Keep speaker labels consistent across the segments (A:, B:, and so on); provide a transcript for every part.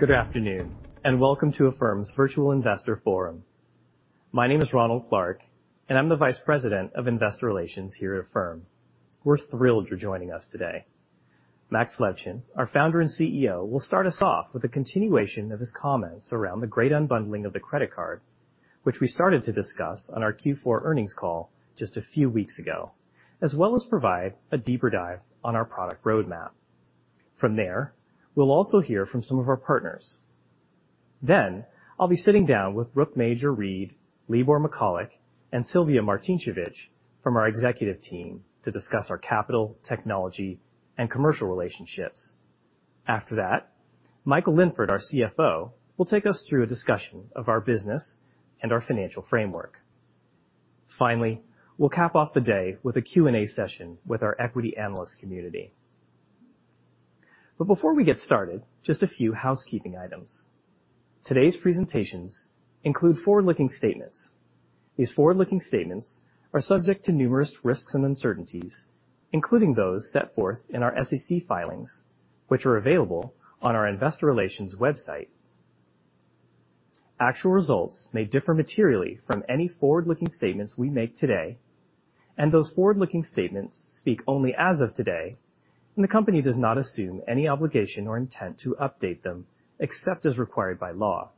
A: Good afternoon, and welcome to Affirm's Virtual Investor Forum. My name is Ronald Clark, I'm the Vice President of Investor Relations here at Affirm. We're thrilled you're joining us today. Max Levchin, our Founder and CEO, will start us off with a continuation of his comments around the great unbundling of the credit card, which we started to discuss on our Q4 earnings call just a few weeks ago, as well as provide a deeper dive on our product roadmap. From there, we'll also hear from some of our partners. I'll be sitting down with Brooke Major-Reid, Libor Michalek, and Silvija Martincevic from our executive team to discuss our capital, technology, and commercial relationships. After that, Michael Linford, our CFO, will take us through a discussion of our business and our financial framework. We'll cap off the day with a Q&A session with our equity analyst community. Before we get started, just a few housekeeping items. Today's presentations include forward-looking statements. These forward-looking statements, are subject to numerous risks and uncertainties, including those set forth in our SEC filings, which are available on our investor relations website. Actual results may differ materially from any forward-looking statements we make today, and those forward-looking statements speak only as of today, and the company does not assume any obligation or intent to update them except as required by law.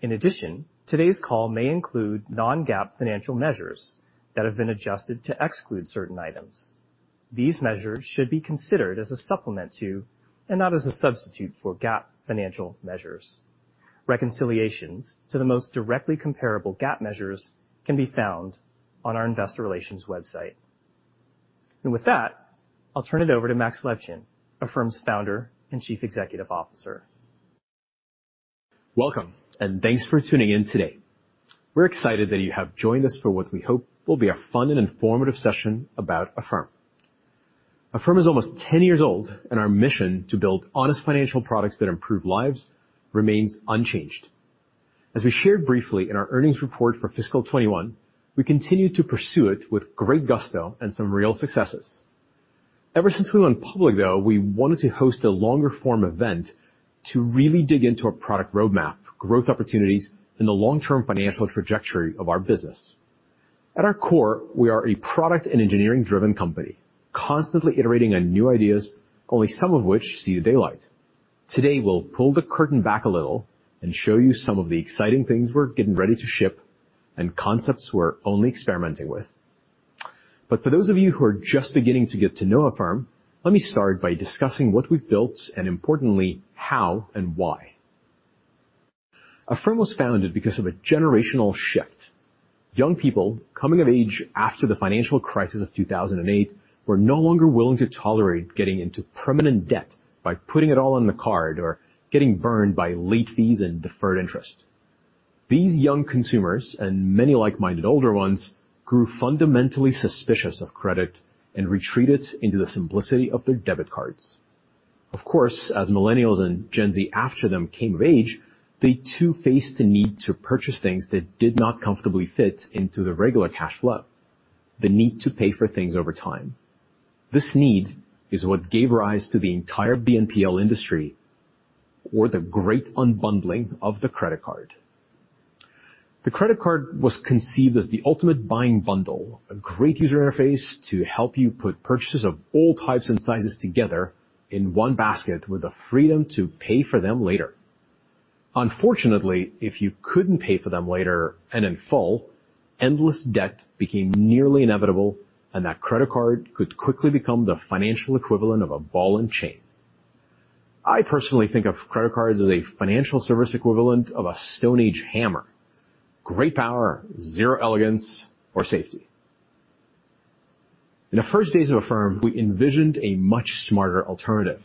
A: In addition, today's call may include non-GAAP financial measures that have been adjusted to exclude certain items. These measures should be considered as a supplement to, and not as a substitute for, GAAP financial measures. Reconciliations to the most directly comparable GAAP measures can be found on our investor relations website. With that, I'll turn it over to Max Levchin, Affirm's Founder and Chief Executive Officer.
B: Welcome. Thanks for tuning in today. We're excited that you have joined us for what we hope will be a fun and informative session about Affirm. Affirm is almost 10 years old. Our mission to build honest financial products that improve lives remains unchanged. As we shared briefly in our earnings report for fiscal 2021, we continue to pursue it with great gusto and some real successes. Ever since we went public, though, we wanted to host a longer form event to really dig into our product roadmap, growth opportunities, and the long-term financial trajectory of our business. At our core, we are a product and engineering-driven company, constantly iterating on new ideas, only some of which see the daylight. Today, we'll pull the curtain back a little and show you some of the exciting things we're getting ready to ship and concepts we're only experimenting with. For those of you who are just beginning to get to know Affirm, let me start by discussing what we've built and importantly, how and why. Affirm was founded because of a generational shift. Young people coming of age after the financial crisis of 2008 were no longer willing to tolerate getting into permanent debt by putting it all on the card or getting burned by late fees and deferred interest. These young consumers, and many like-minded older ones, grew fundamentally suspicious of credit and retreated into the simplicity of their debit cards. Of course, as millennials and Gen Z after them came of age, they too faced the need to purchase things that did not comfortably fit into their regular cash flow. The need to pay for things over time. This need is what gave rise to the entire BNPL industry or the great unbundling of the credit card. The credit card was conceived as the ultimate buying bundle, a great user interface to help you put purchases of all types and sizes together in one basket with the freedom to pay for them later. Unfortunately, if you couldn't pay for them later and in full, endless debt became nearly inevitable, and that credit card could quickly become the financial equivalent of a ball and chain. I personally think of credit cards as a financial service equivalent of a Stone Age hammer. Great power, zero elegance or safety. In the first days of Affirm, we envisioned a much smarter alternative.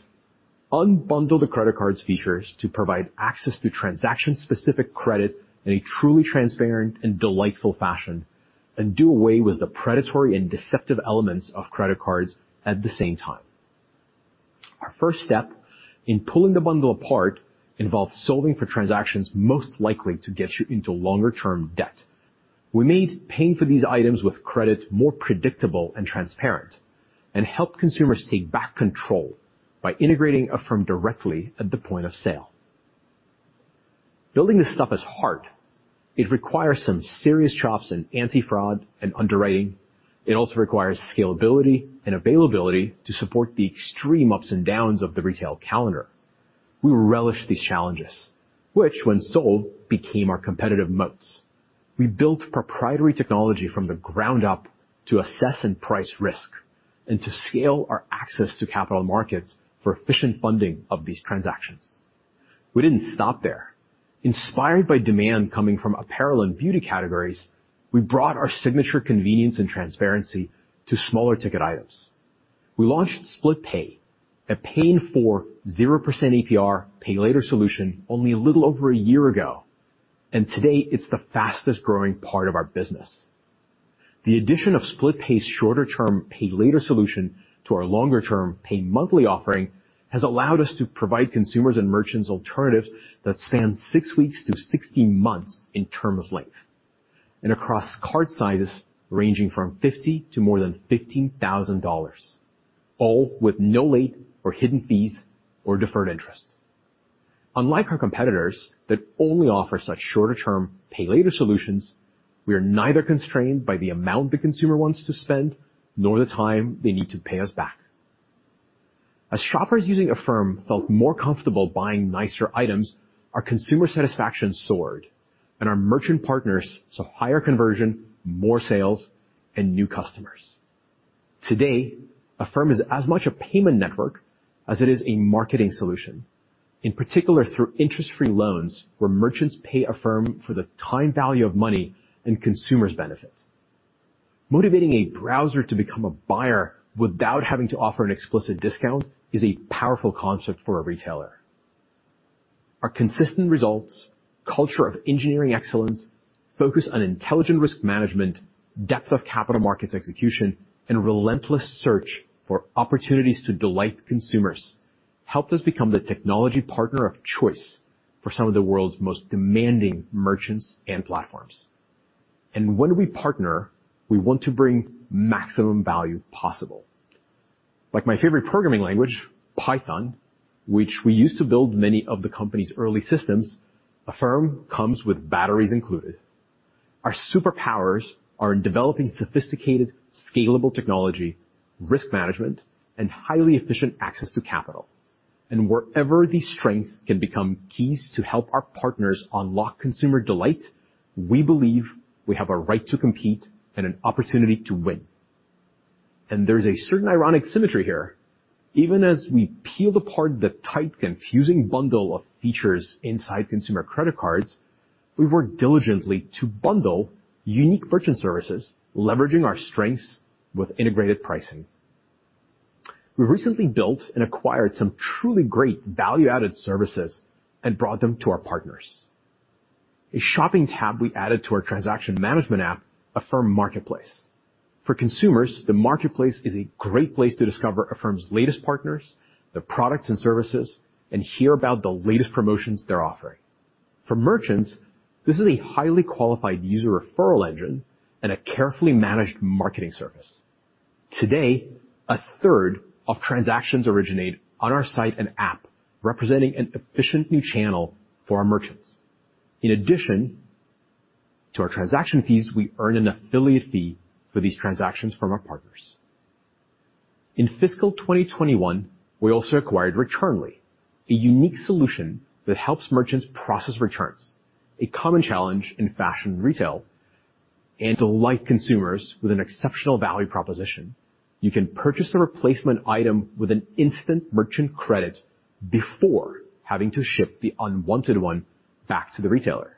B: Unbundle the credit card's features to provide access to transaction-specific credit in a truly transparent and delightful fashion, and do away with the predatory and deceptive elements of credit cards at the same time. Our first step in pulling the bundle apart involved solving for transactions most likely to get you into longer-term debt. We made paying for these items with credit more predictable and transparent, and helped consumers take back control by integrating Affirm directly at the point of sale. Building this stuff is hard. It requires some serious chops in anti-fraud and underwriting. It also requires scalability and availability to support the extreme ups and downs of the retail calendar. We relished these challenges, which when solved, became our competitive moats. We built proprietary technology from the ground up to assess and price risk, and to scale our access to capital markets for efficient funding of these transactions. We didn't stop there. Inspired by demand coming from apparel and beauty categories, we brought our signature convenience and transparency to smaller ticket items. We launched Split Pay, a paying for, 0% APR, pay later solution only a little over a year ago, and today, it's the fastest-growing part of our business. The addition of Split Pay's shorter-term pay later solution to our longer-term pay monthly offering has allowed us to provide consumers and merchants alternatives that span six weeks to 16 months in term of length, and across card sizes ranging from $50 to more than $15,000, all with no late or hidden fees or deferred interest. Unlike our competitors that only offer such shorter-term pay later solutions, we are neither constrained by the amount the consumer wants to spend, nor the time they need to pay us back. As shoppers using Affirm felt more comfortable buying nicer items, our consumer satisfaction soared and our merchant partners saw higher conversion, more sales, and new customers. Today, Affirm is as much a payment network as it is a marketing solution, in particular through interest-free loans where merchants pay Affirm for the time value of money and consumers benefit. Motivating a browser to become a buyer without having to offer an explicit discount is a powerful concept for a retailer. Our consistent results, culture of engineering excellence, focus on intelligent risk management, depth of capital markets execution, and relentless search for opportunities to delight consumers helped us become the technology partner of choice for some of the world's most demanding merchants and platforms. When we partner, we want to bring maximum value possible. Like my favorite programming language, Python, which we used to build many of the company's early systems, Affirm comes with batteries included. Our superpowers are in developing sophisticated, scalable technology, risk management, and highly efficient access to capital. Wherever these strengths can become keys to help our partners unlock consumer delight, we believe we have a right to compete and an opportunity to win. There's a certain ironic symmetry here. Even as we peel apart the tight, confusing bundle of features inside consumer credit cards, we've worked diligently to bundle unique merchant services, leveraging our strengths with integrated pricing. We've recently built and acquired some truly great value-added services and brought them to our partners. A shopping tab we added to our transaction management app, Affirm Marketplace. For consumers, the marketplace is a great place to discover Affirm's latest partners, their products and services, and hear about the latest promotions they're offering. For merchants, this is a highly qualified user referral engine and a carefully managed marketing service. Today, a third of transactions originate on our site and app, representing an efficient new channel for our merchants. In addition to our transaction fees, we earn an affiliate fee for these transactions from our partners. In fiscal 2021, we also acquired Returnly, a unique solution that helps merchants process returns, a common challenge in fashion retail, and delight consumers with an exceptional value proposition. You can purchase a replacement item with an instant merchant credit before having to ship the unwanted one back to the retailer.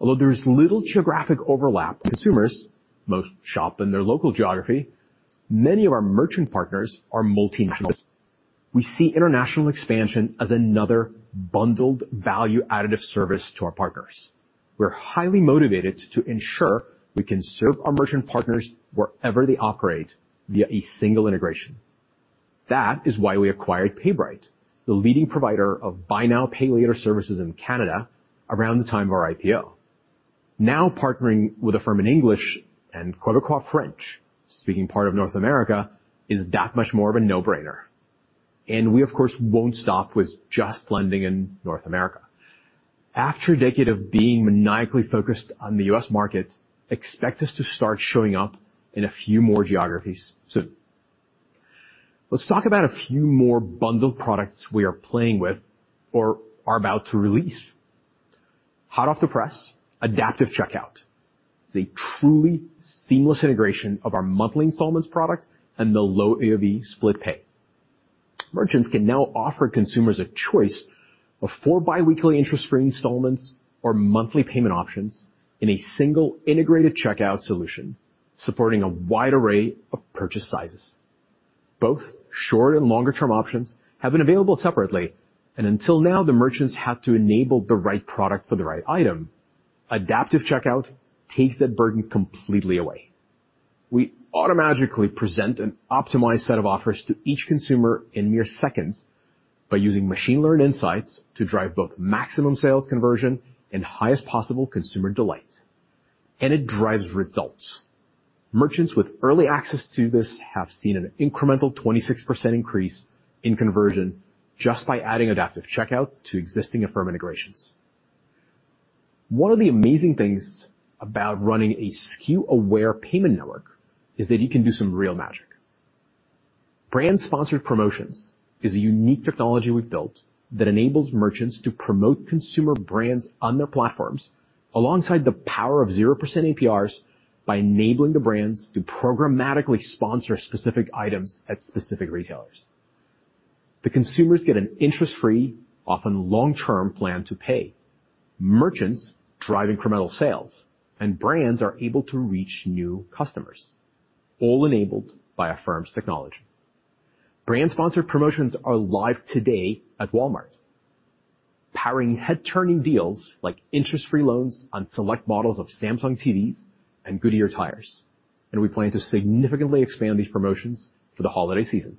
B: Although there is little geographic overlap, consumers most shop in their local geography, many of our merchant partners are multinational. We see international expansion as another bundled value additive service to our partners. We're highly motivated to ensure we can serve our merchant partners wherever they operate via a single integration. That is why we acquired PayBright, the leading provider of buy now, pay later services in Canada around the time of our IPO. Partnering with Affirm in English and quote-unquote French-speaking part of North America is that much more of a no-brainer. We, of course, won't stop with just lending in North America. After a decade of being maniacally focused on the U.S. market, expect us to start showing up in a few more geographies soon. Let's talk about a few more bundled products we are playing with or are about to release. Hot off the press, Adaptive Checkout is a truly seamless integration of our monthly installments product and the low AOV Split Pay. Merchants can now offer consumers a choice of four biweekly interest-free installments or monthly payment options in a single integrated checkout solution, supporting a wide array of purchase sizes. Both short and longer-term options have been available separately. Until now, the merchants had to enable the right product for the right item. Adaptive Checkout takes that burden completely away. We automatically present an optimized set of offers to each consumer in mere seconds by using machine-learned insights to drive both maximum sales conversion and highest possible consumer delight. It drives results. Merchants with early access to this have seen an incremental 26% increase in conversion just by adding Adaptive Checkout to existing Affirm integrations. One of the amazing things about running a SKU-aware payment network is that you can do some real magic. Brand Sponsored Promotions is a unique technology we've built that enables merchants to promote consumer brands on their platforms alongside the power of 0% APRs by enabling the brands to programmatically sponsor specific items at specific retailers. The consumers get an interest-free, often long-term plan to pay. Merchants drive incremental sales, and brands are able to reach new customers, all enabled by Affirm's technology. Brand Sponsored Promotions are live today at Walmart, powering head-turning deals like interest-free loans on select models of Samsung TVs and Goodyear tires. We plan to significantly expand these promotions for the holiday season.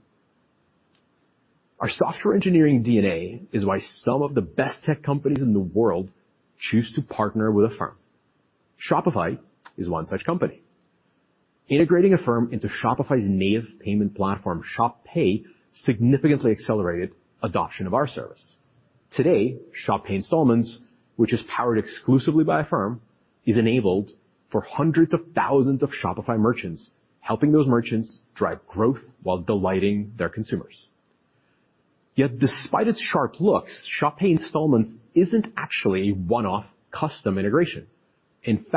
B: Our software engineering DNA is why some of the best tech companies in the world choose to partner with Affirm. Shopify is one such company. Integrating Affirm into Shopify's native payment platform, Shop Pay, significantly accelerated adoption of our service. Today, Shop Pay Installments, which is powered exclusively by Affirm, is enabled for hundreds of thousands of Shopify merchants, helping those merchants drive growth while delighting their consumers. Despite its sharp looks, Shop Pay Installments isn't actually a one-off custom integration. This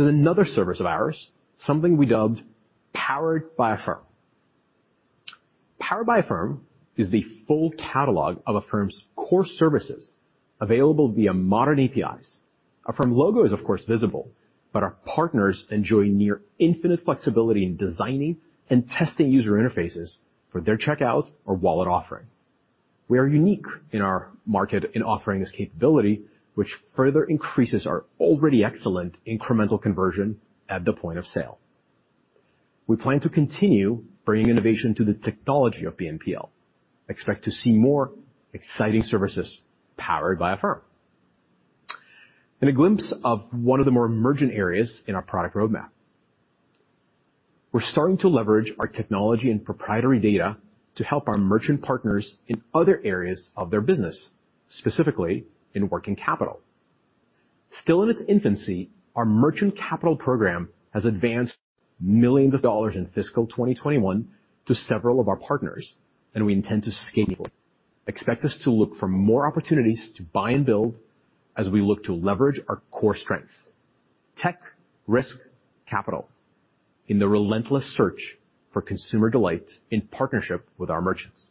B: is another service of ours, something we dubbed Powered by Affirm. Powered by Affirm is the full catalog of Affirm's core services available via modern APIs. Affirm logo is, of course, visible, our partners enjoy near infinite flexibility in designing and testing user interfaces for their checkout or wallet offering. We are unique in our market in offering this capability, which further increases our already excellent incremental conversion at the point of sale. We plan to continue bringing innovation to the technology of BNPL. Expect to see more exciting services Powered by Affirm. A glimpse of one of the more emergent areas in our product roadmap. We're starting to leverage our technology and proprietary data to help our merchant partners in other areas of their business, specifically in working capital. Still in its infancy, our merchant capital program has advanced millions of dollars in fiscal 2021 to several of our partners, and we intend to scale. Expect us to look for more opportunities to buy and build as we look to leverage our core strengths, tech, risk, capital, in the relentless search for consumer delight in partnership with our merchants.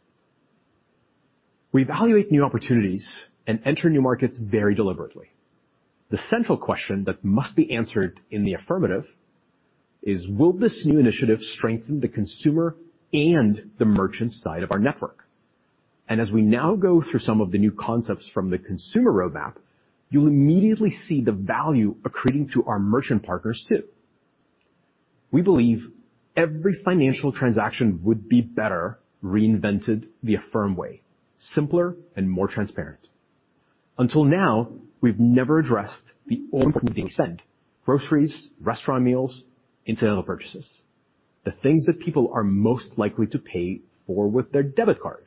B: We evaluate new opportunities and enter new markets very deliberately. The central question that must be answered in the affirmative is will this new initiative strengthen the consumer and the merchant side of our network? As we now go through some of the new concepts from the consumer roadmap, you'll immediately see the value accreting to our merchant partners, too. We believe every financial transaction would be better reinvented the Affirm way, simpler and more transparent. Until now, we've never addressed the overwhelming percent, groceries, restaurant meals, incidental purchases, the things that people are most likely to pay for with their debit card.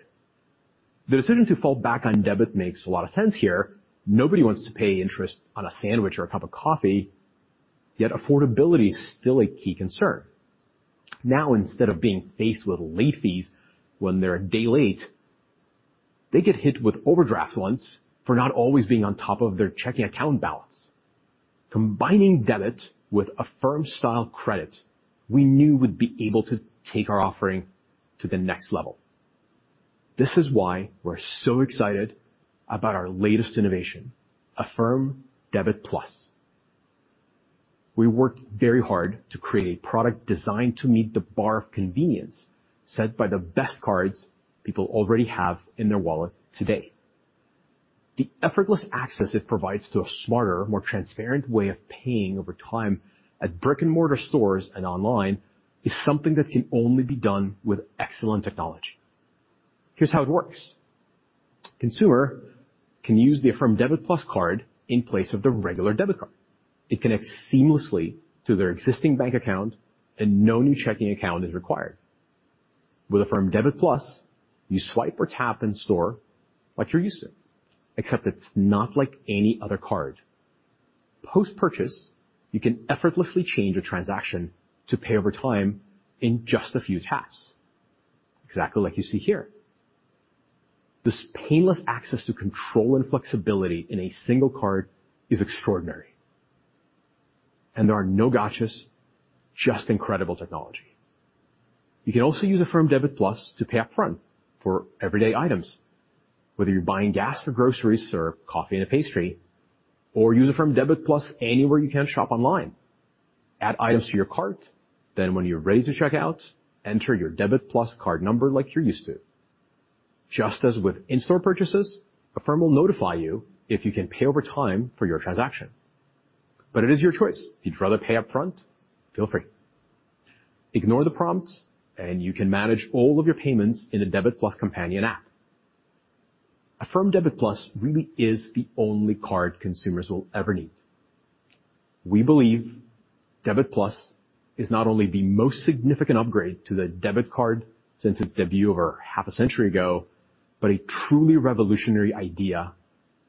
B: The decision to fall back on debit makes a lot of sense here. Nobody wants to pay interest on a sandwich or a cup of coffee, yet affordability is still a key concern. Instead of being faced with late fees when they're a day late, they get hit with overdraft once for not always being on top of their checking account balance. Combining debit with Affirm style credit, we knew we'd be able to take our offering to the next level. This is why we're so excited about our latest innovation, Affirm Debit+. We worked very hard to create a product designed to meet the bar of convenience set by the best cards people already have in their wallet today. The effortless access it provides to a smarter, more transparent way of paying over time at brick-and-mortar stores and online is something that can only be done with excellent technology. Here's how it works. Consumer can use the Affirm Debit+ card in place of the regular debit card. It connects seamlessly to their existing bank account, and no new checking account is required. With Affirm Debit+, you swipe or tap in-store like you're used to, except it's not like any other card. Post-purchase, you can effortlessly change a transaction to pay over time in just a few taps. Exactly like you see here. This painless access to control and flexibility in a single card is extraordinary. There are no gotchas, just incredible technology. You can also use Affirm Debit+ to pay up front for everyday items, whether you're buying gas or groceries or coffee and a pastry, or use Affirm Debit+ anywhere you can shop online. Add items to your cart, then when you're ready to check out, enter your Debit+ card number like you're used to. Just as with in-store purchases, Affirm will notify you if you can pay over time for your transaction. It is your choice. If you'd rather pay up front, feel free. Ignore the prompt, and you can manage all of your payments in the Debit+ companion app. Affirm Debit+ really is the only card consumers will ever need. We believe Debit+ is not only the most significant upgrade to the debit card since its debut over half a century ago, but a truly revolutionary idea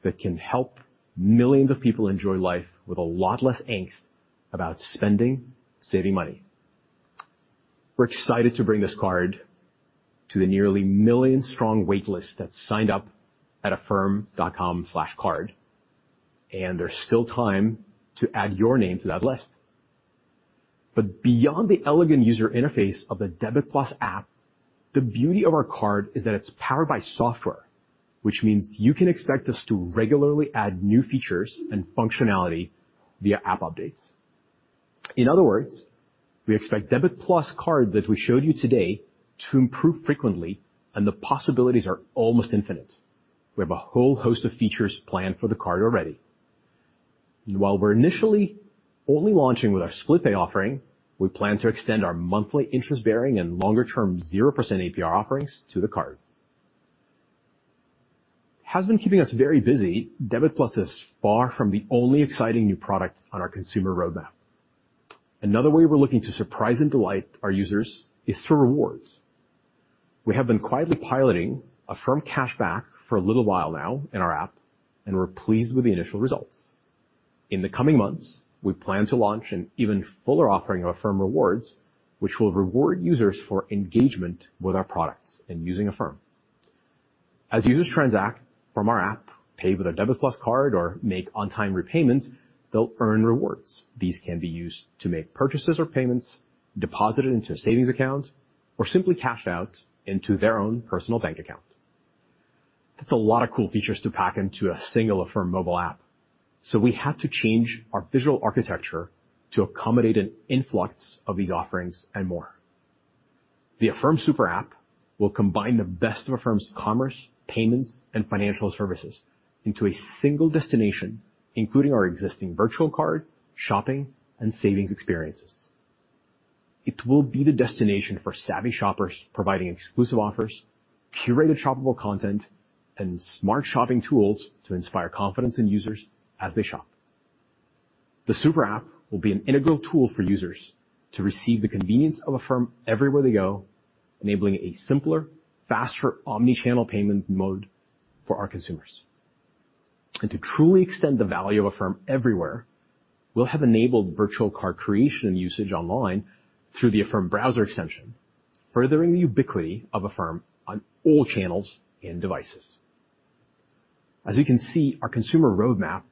B: that can help millions of people enjoy life with a lot less angst about spending, saving money. We're excited to bring this card to the nearly million-strong waitlist that's signed up at affirm.com/card, and there's still time to add your name to that list. Beyond the elegant user interface of the Debit+ app, the beauty of our card is that it's powered by software, which means you can expect us to regularly add new features and functionality via app updates. In other words, we expect Debit+ card that we showed you today to improve frequently, and the possibilities are almost infinite. We have a whole host of features planned for the card already. While we're initially only launching with our Split Pay offering, we plan to extend our monthly interest bearing and longer-term 0% APR offerings to the card. Has been keeping us very busy, Debit+ is far from the only exciting new product on our consumer roadmap. Another way we're looking to surprise and delight our users is through rewards. We have been quietly piloting Affirm cash back for a little while now in our app, and we're pleased with the initial results. In the coming months, we plan to launch an even fuller offering of Affirm rewards, which will reward users for engagement with our products and using Affirm. As users transact from our app, pay with their Debit+ Card, or make on-time repayments, they'll earn rewards. These can be used to make purchases or payments, deposited into a savings account, or simply cash out into their own personal bank account. That's a lot of cool features to pack into a single Affirm mobile app. We had to change our visual architecture to accommodate an influx of these offerings and more. The Affirm SuperApp will combine the best of Affirm's commerce, payments, and financial services into a single destination, including our existing virtual card, shopping, and savings experiences. It will be the destination for savvy shoppers, providing exclusive offers, curated shoppable content, and smart shopping tools to inspire confidence in users as they shop. The SuperApp will be an integral tool for users to receive the convenience of Affirm everywhere they go, enabling a simpler, faster omni-channel payment mode for our consumers. To truly extend the value of Affirm everywhere, we'll have enabled virtual card creation and usage online through the Affirm browser extension, furthering the ubiquity of Affirm on all channels and devices. As you can see, our consumer roadmap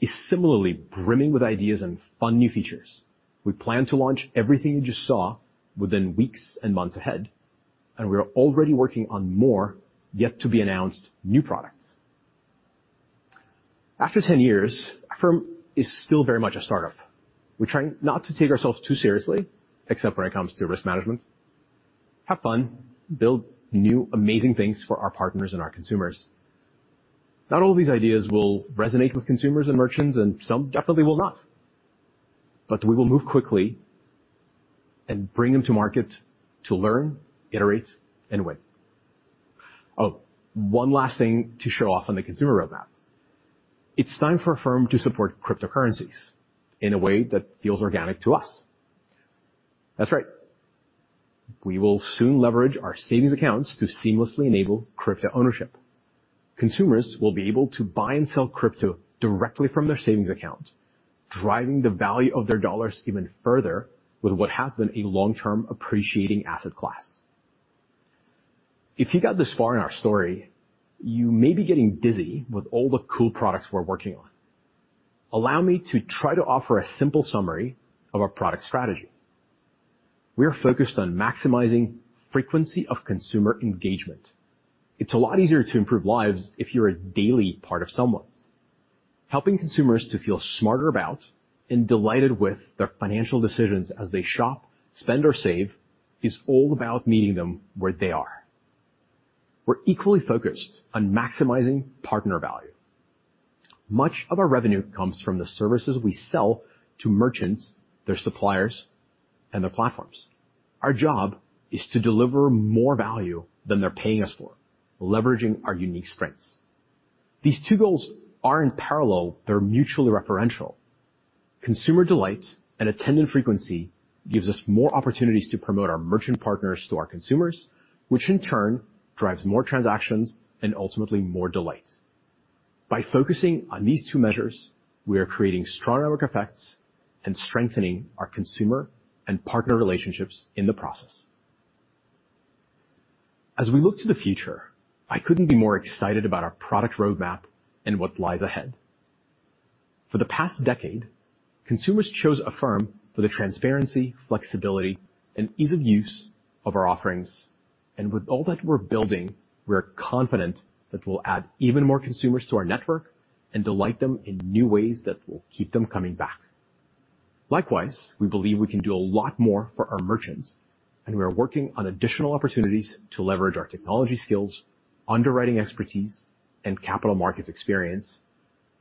B: is similarly brimming with ideas and fun new features. We plan to launch everything you just saw within weeks and months ahead, and we are already working on more yet to be announced new products. After 10 years, Affirm is still very much a startup. We're trying not to take ourselves too seriously, except when it comes to risk management, have fun, build new, amazing things for our partners and our consumers. Not all these ideas will resonate with consumers and merchants, and some definitely will not. We will move quickly and bring them to market to learn, iterate, and win. Oh, one last thing to show off on the consumer roadmap. It's time for Affirm to support cryptocurrencies in a way that feels organic to us. That's right. We will soon leverage our savings accounts to seamlessly enable crypto ownership. Consumers will be able to buy and sell crypto directly from their savings account, driving the value of their dollars even further with what has been a long-term appreciating asset class. If you got this far in our story, you may be getting dizzy with all the cool products we're working on. Allow me to try to offer a simple summary of our product strategy. We are focused on maximizing frequency of consumer engagement. It's a lot easier to improve lives if you're a daily part of someone's. Helping consumers to feel smarter about and delighted with their financial decisions as they shop, spend, or save is all about meeting them where they are. We're equally focused on maximizing partner value. Much of our revenue comes from the services we sell to merchants, their suppliers, and their platforms. Our job is to deliver more value than they're paying us for, leveraging our unique strengths. These two goals are in parallel, they're mutually referential. Consumer delight and attendant frequency gives us more opportunities to promote our merchant partners to our consumers, which in turn drives more transactions and ultimately more delight. By focusing on these two measures, we are creating strong network effects and strengthening our consumer and partner relationships in the process. As we look to the future, I couldn't be more excited about our product roadmap and what lies ahead. For the past decade, consumers chose Affirm for the transparency, flexibility, and ease of use of our offerings. With all that we're building, we are confident that we'll add even more consumers to our network and delight them in new ways that will keep them coming back. Likewise, we believe we can do a lot more for our merchants, and we are working on additional opportunities to leverage our technology skills, underwriting expertise, and capital markets experience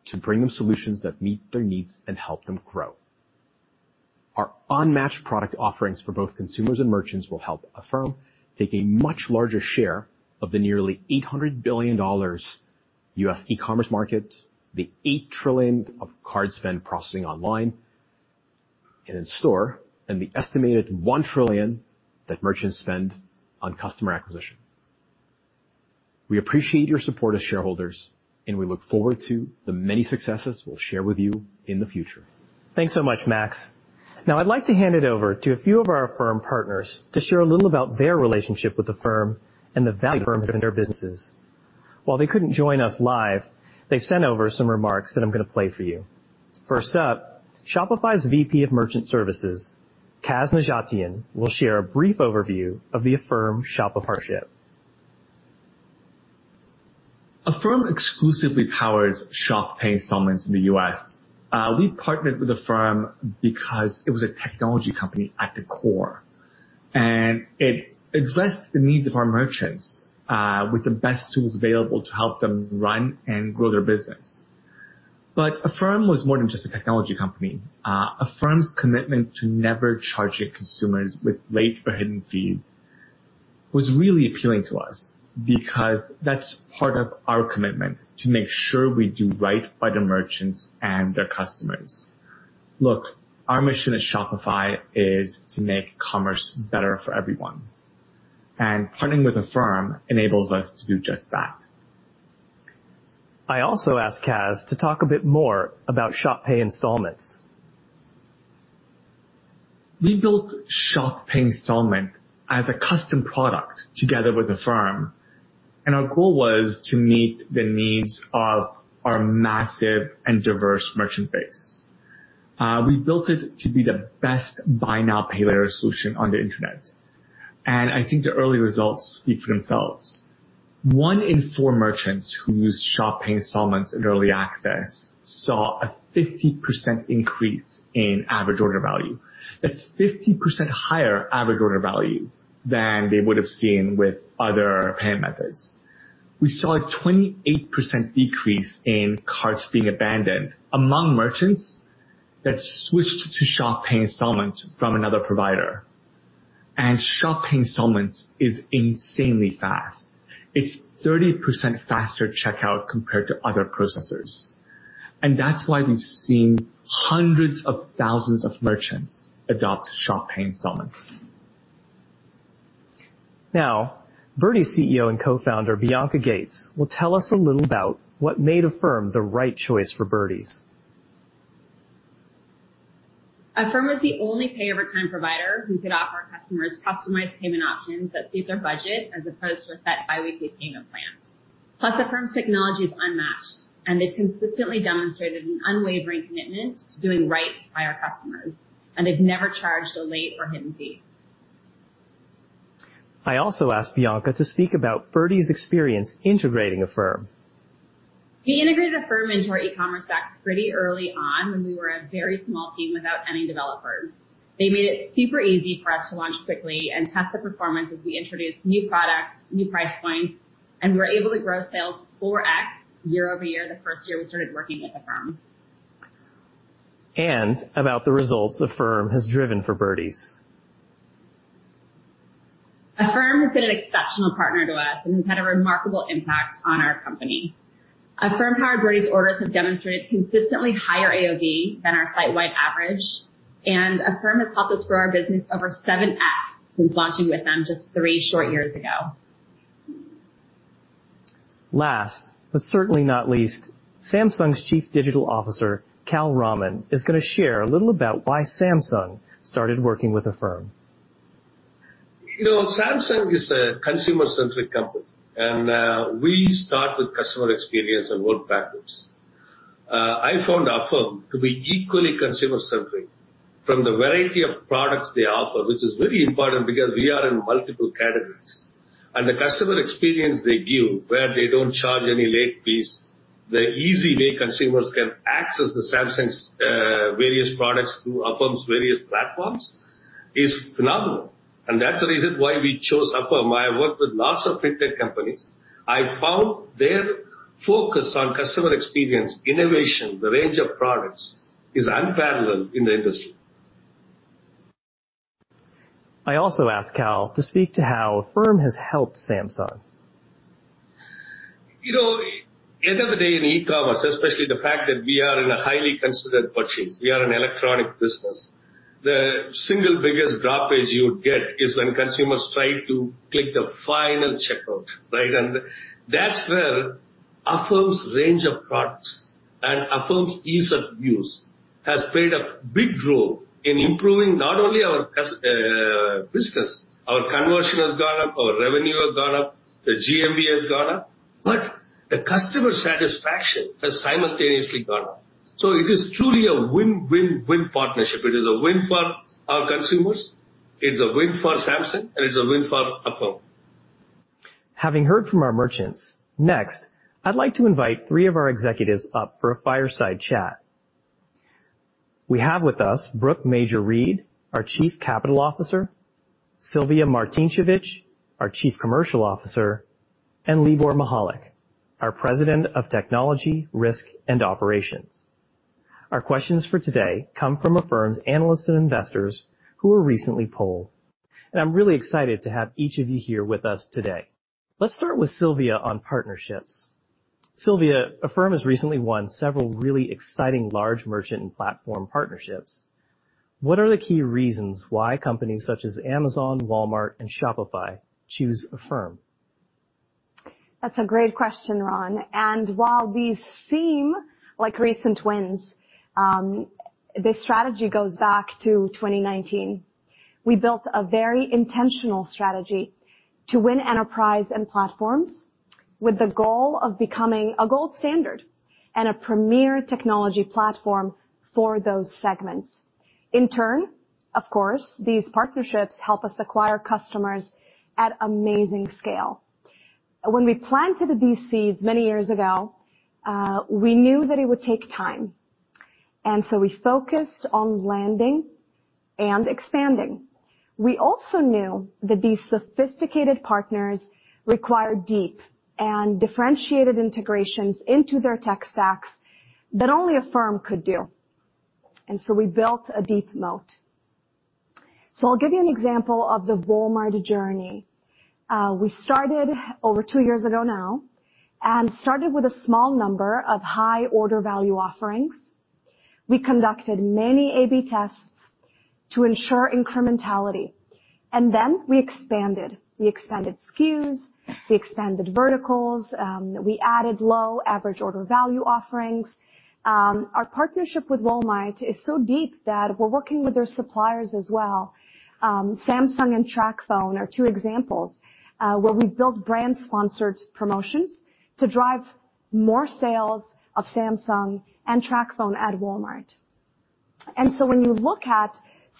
B: to bring them solutions that meet their needs and help them grow. Our unmatched product offerings for both consumers and merchants will help Affirm take a much larger share of the nearly $800 billion U.S. e-commerce market, the $8 trillion of card spend processing online and in store, and the estimated $1 trillion that merchants spend on customer acquisition. We appreciate your support as shareholders, and we look forward to the many successes we'll share with you in the future.
A: Thanks so much, Max. I'd like to hand it over to a few of our Affirm partners to share a little about their relationship with Affirm and the value Affirm has in their businesses. While they couldn't join us live, they've sent over some remarks that I'm going to play for you. First up, Shopify's VP of Merchant Services, Kaz Nejatian, will share a brief overview of the Affirm Shop partnership.
C: Affirm exclusively powers Shop Pay Installments in the U.S. We partnered with Affirm because it was a technology company at the core. It addressed the needs of our merchants with the best tools available to help them run and grow their business. Affirm was more than just a technology company. Affirm's commitment to never charging consumers with late or hidden fees was really appealing to us because that's part of our commitment to make sure we do right by the merchants and their customers. Our mission at Shopify is to make commerce better for everyone, and partnering with Affirm enables us to do just that.
A: I also asked Kaz to talk a bit more about Shop Pay Installments.
C: We built Shop Pay Installments as a custom product together with Affirm. Our goal was to meet the needs of our massive and diverse merchant base. We built it to be the best buy now, pay later solution on the internet. I think the early results speak for themselves. One in four merchants who use Shop Pay Installments in early access saw a 50% increase in average order value. That's 50% higher average order value than they would have seen with other payment methods. We saw a 28% decrease in carts being abandoned among merchants that switched to Shop Pay Installments from another provider. Shop Pay Installments is insanely fast. It's 30% faster checkout compared to other processors. That's why we've seen hundreds of thousands of merchants adopt Shop Pay Installments.
A: Birdies CEO and co-founder, Bianca Gates, will tell us a little about what made Affirm the right choice for Birdies.
D: Affirm was the only pay over time provider who could offer customers customized payment options that suit their budget, as opposed to a set biweekly payment plan. Affirm's technology is unmatched, and they've consistently demonstrated an unwavering commitment to doing right by our customers, and they've never charged a late or hidden fee.
A: I also asked Bianca to speak about Birdies' experience integrating Affirm.
D: We integrated Affirm into our e-commerce stack pretty early on when we were a very small team without any developers. They made it super easy for us to launch quickly and test the performance as we introduced new products, new price points, and we were able to grow sales 4x year-over-year the first year we started working with Affirm.
A: About the results Affirm has driven for Birdies.
D: Affirm has been an exceptional partner to us and has had a remarkable impact on our company. Affirm-powered Birdies orders have demonstrated consistently higher AOV than our site-wide average, and Affirm has helped us grow our business over 7x since launching with them just three short years ago.
A: Last, but certainly not least, Samsung's Chief Digital Officer, Kal Raman, is going to share a little about why Samsung started working with Affirm.
E: Samsung is a consumer-centric company. We start with customer experience and work backwards. I found Affirm to be equally consumer-centric from the variety of products they offer, which is very important because we are in multiple categories. The customer experience they give where they don't charge any late fees, the easy way consumers can access Samsung's various products through Affirm's various platforms is phenomenal, and that's the reason why we chose Affirm. I have worked with lots of fintech companies. I found their focus on customer experience, innovation, the range of products is unparalleled in the industry.
A: I also asked Kal to speak to how Affirm has helped Samsung.
E: End of the day in e-commerce, especially the fact that we are in a highly considered purchase, we are an electronic business. The single biggest dropage you would get is when consumers try to click the final checkout, right? That's where Affirm's range of products and Affirm's ease of use has played a big role in improving not only our business. Our conversion has gone up, our revenue has gone up, the GMV has gone up, but the customer satisfaction has simultaneously gone up. It is truly a win-win-win partnership. It is a win for our consumers, it's a win for Samsung, and it's a win for Affirm.
A: Having heard from our merchants, next, I'd like to invite three of our executives up for a fireside chat. We have with us Brooke Major-Reid, our Chief Capital Officer, Silvija Martincevic, our Chief Commercial Officer, and Libor Michalek, our President of Technology, Risk, and Operations. Our questions for today come from Affirm's analysts and investors who were recently polled, and I'm really excited to have each of you here with us today. Let's start with Silvija on partnerships. Silvija, Affirm has recently won several really exciting large merchant and platform partnerships. What are the key reasons why companies such as Amazon, Walmart, and Shopify choose Affirm?
F: That's a great question, Ron, and while these seem like recent wins, this strategy goes back to 2019. We built a very intentional strategy to win enterprise and platforms with the goal of becoming a gold standard and a premier technology platform for those segments. In turn, of course, these partnerships help us acquire customers at amazing scale. When we planted these seeds many years ago, we knew that it would take time. So we focused on landing and expanding. We also knew that these sophisticated partners required deep and differentiated integrations into their tech stacks that only Affirm could do. We built a deep moat. I'll give you an example of the Walmart journey. We started over two years ago now and started with a small number of high order value offerings. We conducted many A/B tests to ensure incrementality, and then we expanded. We expanded SKUs, we expanded verticals, we added low average order value offerings. Our partnership with Walmart is so deep that we're working with their suppliers as well. Samsung and TracFone are two examples, where we've built Brand Sponsored Promotions to drive more sales of Samsung and TracFone at Walmart. When you look at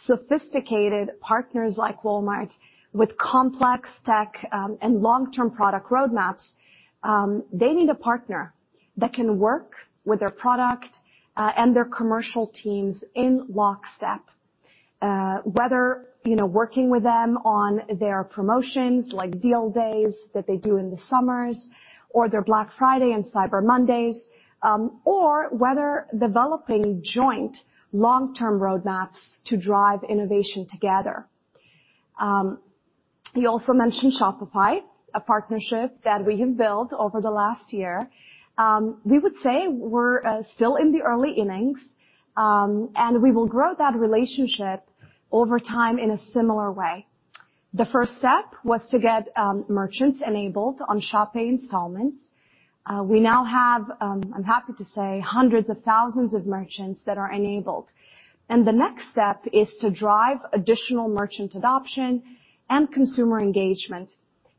F: sophisticated partners like Walmart with complex tech, and long-term product roadmaps, they need a partner that can work with their product, and their commercial teams in lockstep. Whether working with them on their promotions like Deal Days that they do in the summers or their Black Friday and Cyber Mondays, or whether developing joint long-term roadmaps to drive innovation together. You also mentioned Shopify, a partnership that we have built over the last year. We would say we're still in the early innings, and we will grow that relationship over time in a similar way. The first step was to get merchants enabled on Shop Pay Installments. We now have, I'm happy to say, hundreds of thousands of merchants that are enabled. The next step is to drive additional merchant adoption and consumer engagement.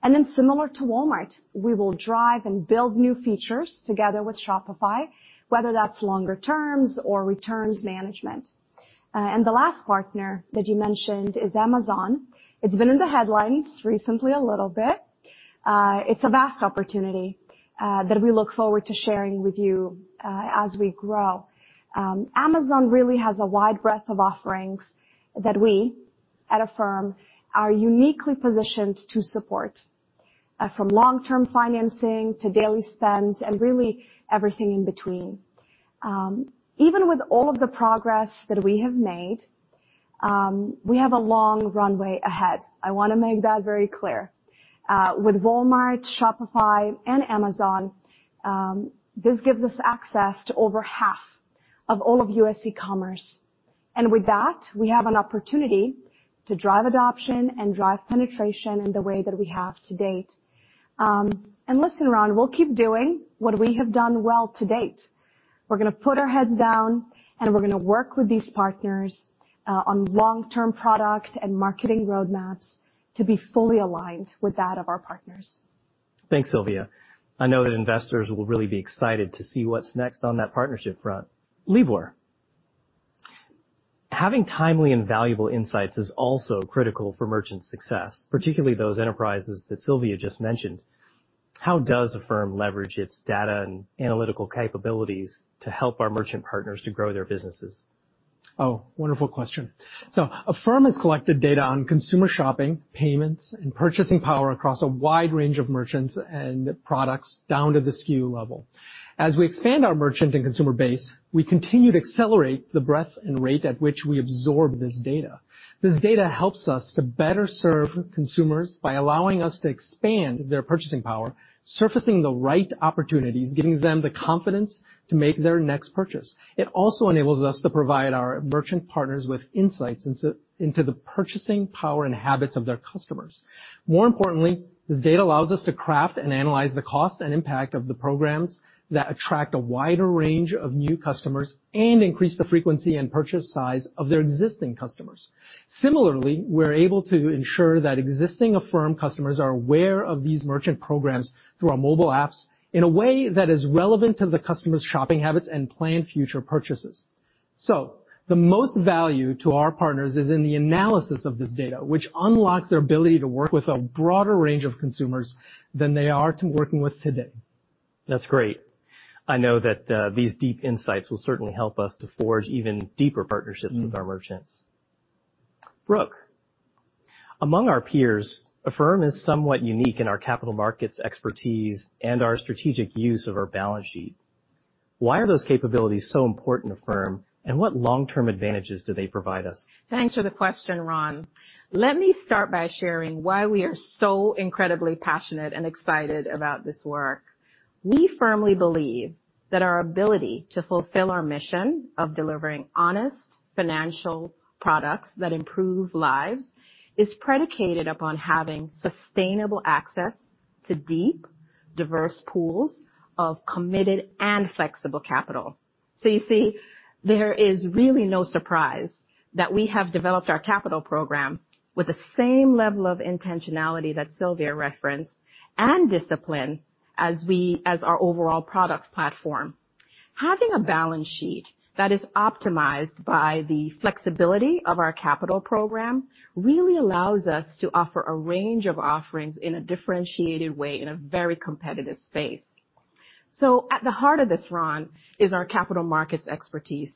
F: Then similar to Walmart, we will drive and build new features together with Shopify, whether that's longer terms or returns management. The last partner that you mentioned is Amazon. It's been in the headlines recently a little bit. It's a vast opportunity that we look forward to sharing with you as we grow. Amazon really has a wide breadth of offerings that we at Affirm are uniquely positioned to support, from long-term financing to daily spend, and really everything in between. Even with all of the progress that we have made, we have a long runway ahead. I want to make that very clear. With Walmart, Shopify, and Amazon, this gives us access to over half of all of U.S. e-commerce. With that, we have an opportunity to drive adoption and drive penetration in the way that we have to date. Listen, Ron, we'll keep doing what we have done well to date. We're going to put our heads down, and we're going to work with these partners on long-term product and marketing roadmaps to be fully aligned with that of our partners.
A: Thanks, Silvija. I know that investors will really be excited to see what's next on that partnership front. Libor, having timely and valuable insights is also critical for merchant success, particularly those enterprises that Silvija just mentioned. How does Affirm leverage its data and analytical capabilities to help our merchant partners to grow their businesses?
G: Wonderful question. Affirm has collected data on consumer shopping, payments, and purchasing power across a wide range of merchants and products down to the SKU level. As we expand our merchant and consumer base, we continue to accelerate the breadth and rate at which we absorb this data. This data helps us to better serve consumers by allowing us to expand their purchasing power, surfacing the right opportunities, giving them the confidence to make their next purchase. It also enables us to provide our merchant partners with insights into the purchasing power and habits of their customers. More importantly, this data allows us to craft and analyze the cost and impact of the programs that attract a wider range of new customers and increase the frequency and purchase size of their existing customers. Similarly, we're able to ensure that existing Affirm customers are aware of these merchant programs through our mobile apps in a way that is relevant to the customer's shopping habits and planned future purchases. The most value to our partners is in the analysis of this data, which unlocks their ability to work with a broader range of consumers than they are working with today.
A: That's great. I know that these deep insights will certainly help us to forge even deeper partnerships with our merchants. Brooke, among our peers, Affirm is somewhat unique in our capital markets expertise and our strategic use of our balance sheet. Why are those capabilities so important to Affirm, and what long-term advantages do they provide us?
H: Thanks for the question, Ron. Let me start by sharing why we are so incredibly passionate and excited about this work. We firmly believe that our ability to fulfill our mission of delivering honest financial products that improve lives is predicated upon having sustainable access to deep, diverse pools of committed and flexible capital. You see, there is really no surprise that we have developed our capital program with the same level of intentionality that Silvija referenced and discipline as our overall product platform. Having a balance sheet that is optimized by the flexibility of our capital program really allows us to offer a range of offerings in a differentiated way in a very competitive space. At the heart of this, Ron, is our capital markets expertise.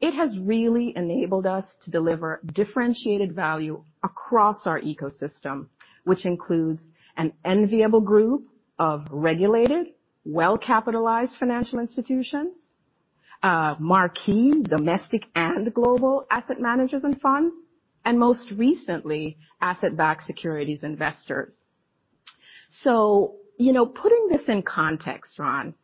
H: It has really enabled us to deliver differentiated value across our ecosystem, which includes an enviable group of regulated, well-capitalized financial institutions, marquee domestic and global asset managers and funds, and most recently, asset-backed securities investors. Putting this in context, Ron,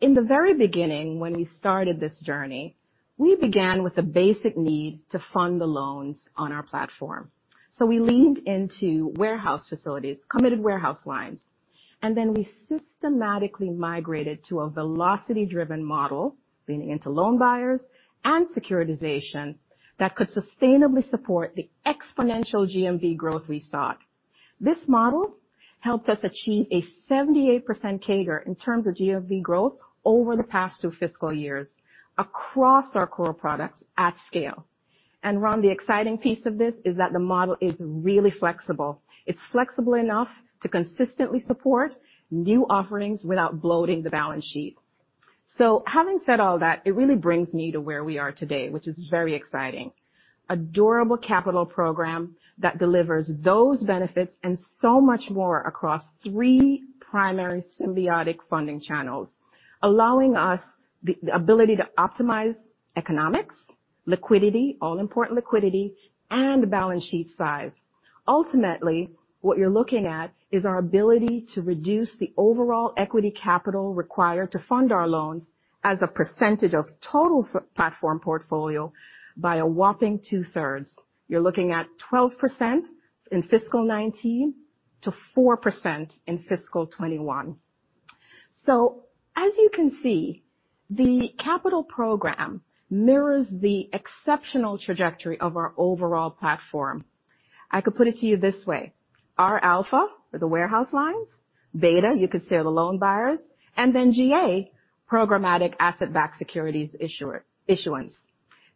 H: in the very beginning, when we started this journey, we began with a basic need to fund the loans on our platform. We leaned into warehouse facilities, committed warehouse lines, and then we systematically migrated to a velocity-driven model, leaning into loan buyers and securitization that could sustainably support the exponential GMV growth we sought. This model helped us achieve a 78% CAGR in terms of GMV growth over the past two fiscal years across our core products at scale. Ron, the exciting piece of this is that the model is really flexible. It's flexible enough to consistently support new offerings without bloating the balance sheet. Having said all that, it really brings me to where we are today, which is very exciting. A durable capital program that delivers those benefits and so much more across three primary symbiotic funding channels, allowing us the ability to optimize economics, liquidity, all important liquidity, and balance sheet size. Ultimately, what you're looking at is our ability to reduce the overall equity capital required to fund our loans as a percentage of total platform portfolio by a whopping two-thirds. You're looking at 12% in fiscal 2019 to 4% in fiscal 2021. As you can see, the capital program mirrors the exceptional trajectory of our overall platform. I could put it to you this way. Our alpha are the warehouse lines, beta, you could say, are the loan buyers, and then GA, programmatic asset-backed securities issuance.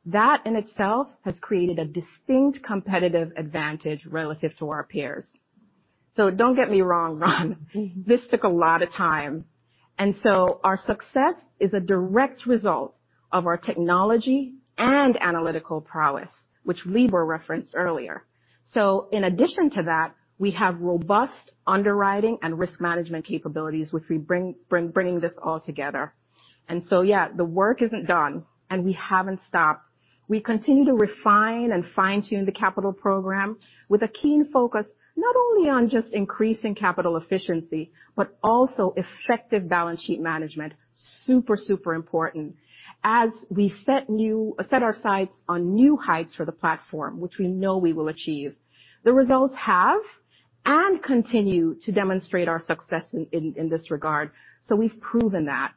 H: That in itself has created a distinct competitive advantage relative to our peers. Don't get me wrong, Ron, this took a lot of time. Our success is a direct result of our technology and analytical prowess, which Libor referenced earlier. In addition to that, we have robust underwriting and risk management capabilities, which we're bringing this all together. Yeah, the work isn't done, and we haven't stopped. We continue to refine and fine-tune the capital program with a keen focus, not only on just increasing capital efficiency, but also effective balance sheet management. Super important. As we set our sights on new heights for the platform, which we know we will achieve. The results have and continue to demonstrate our success in this regard, so we've proven that.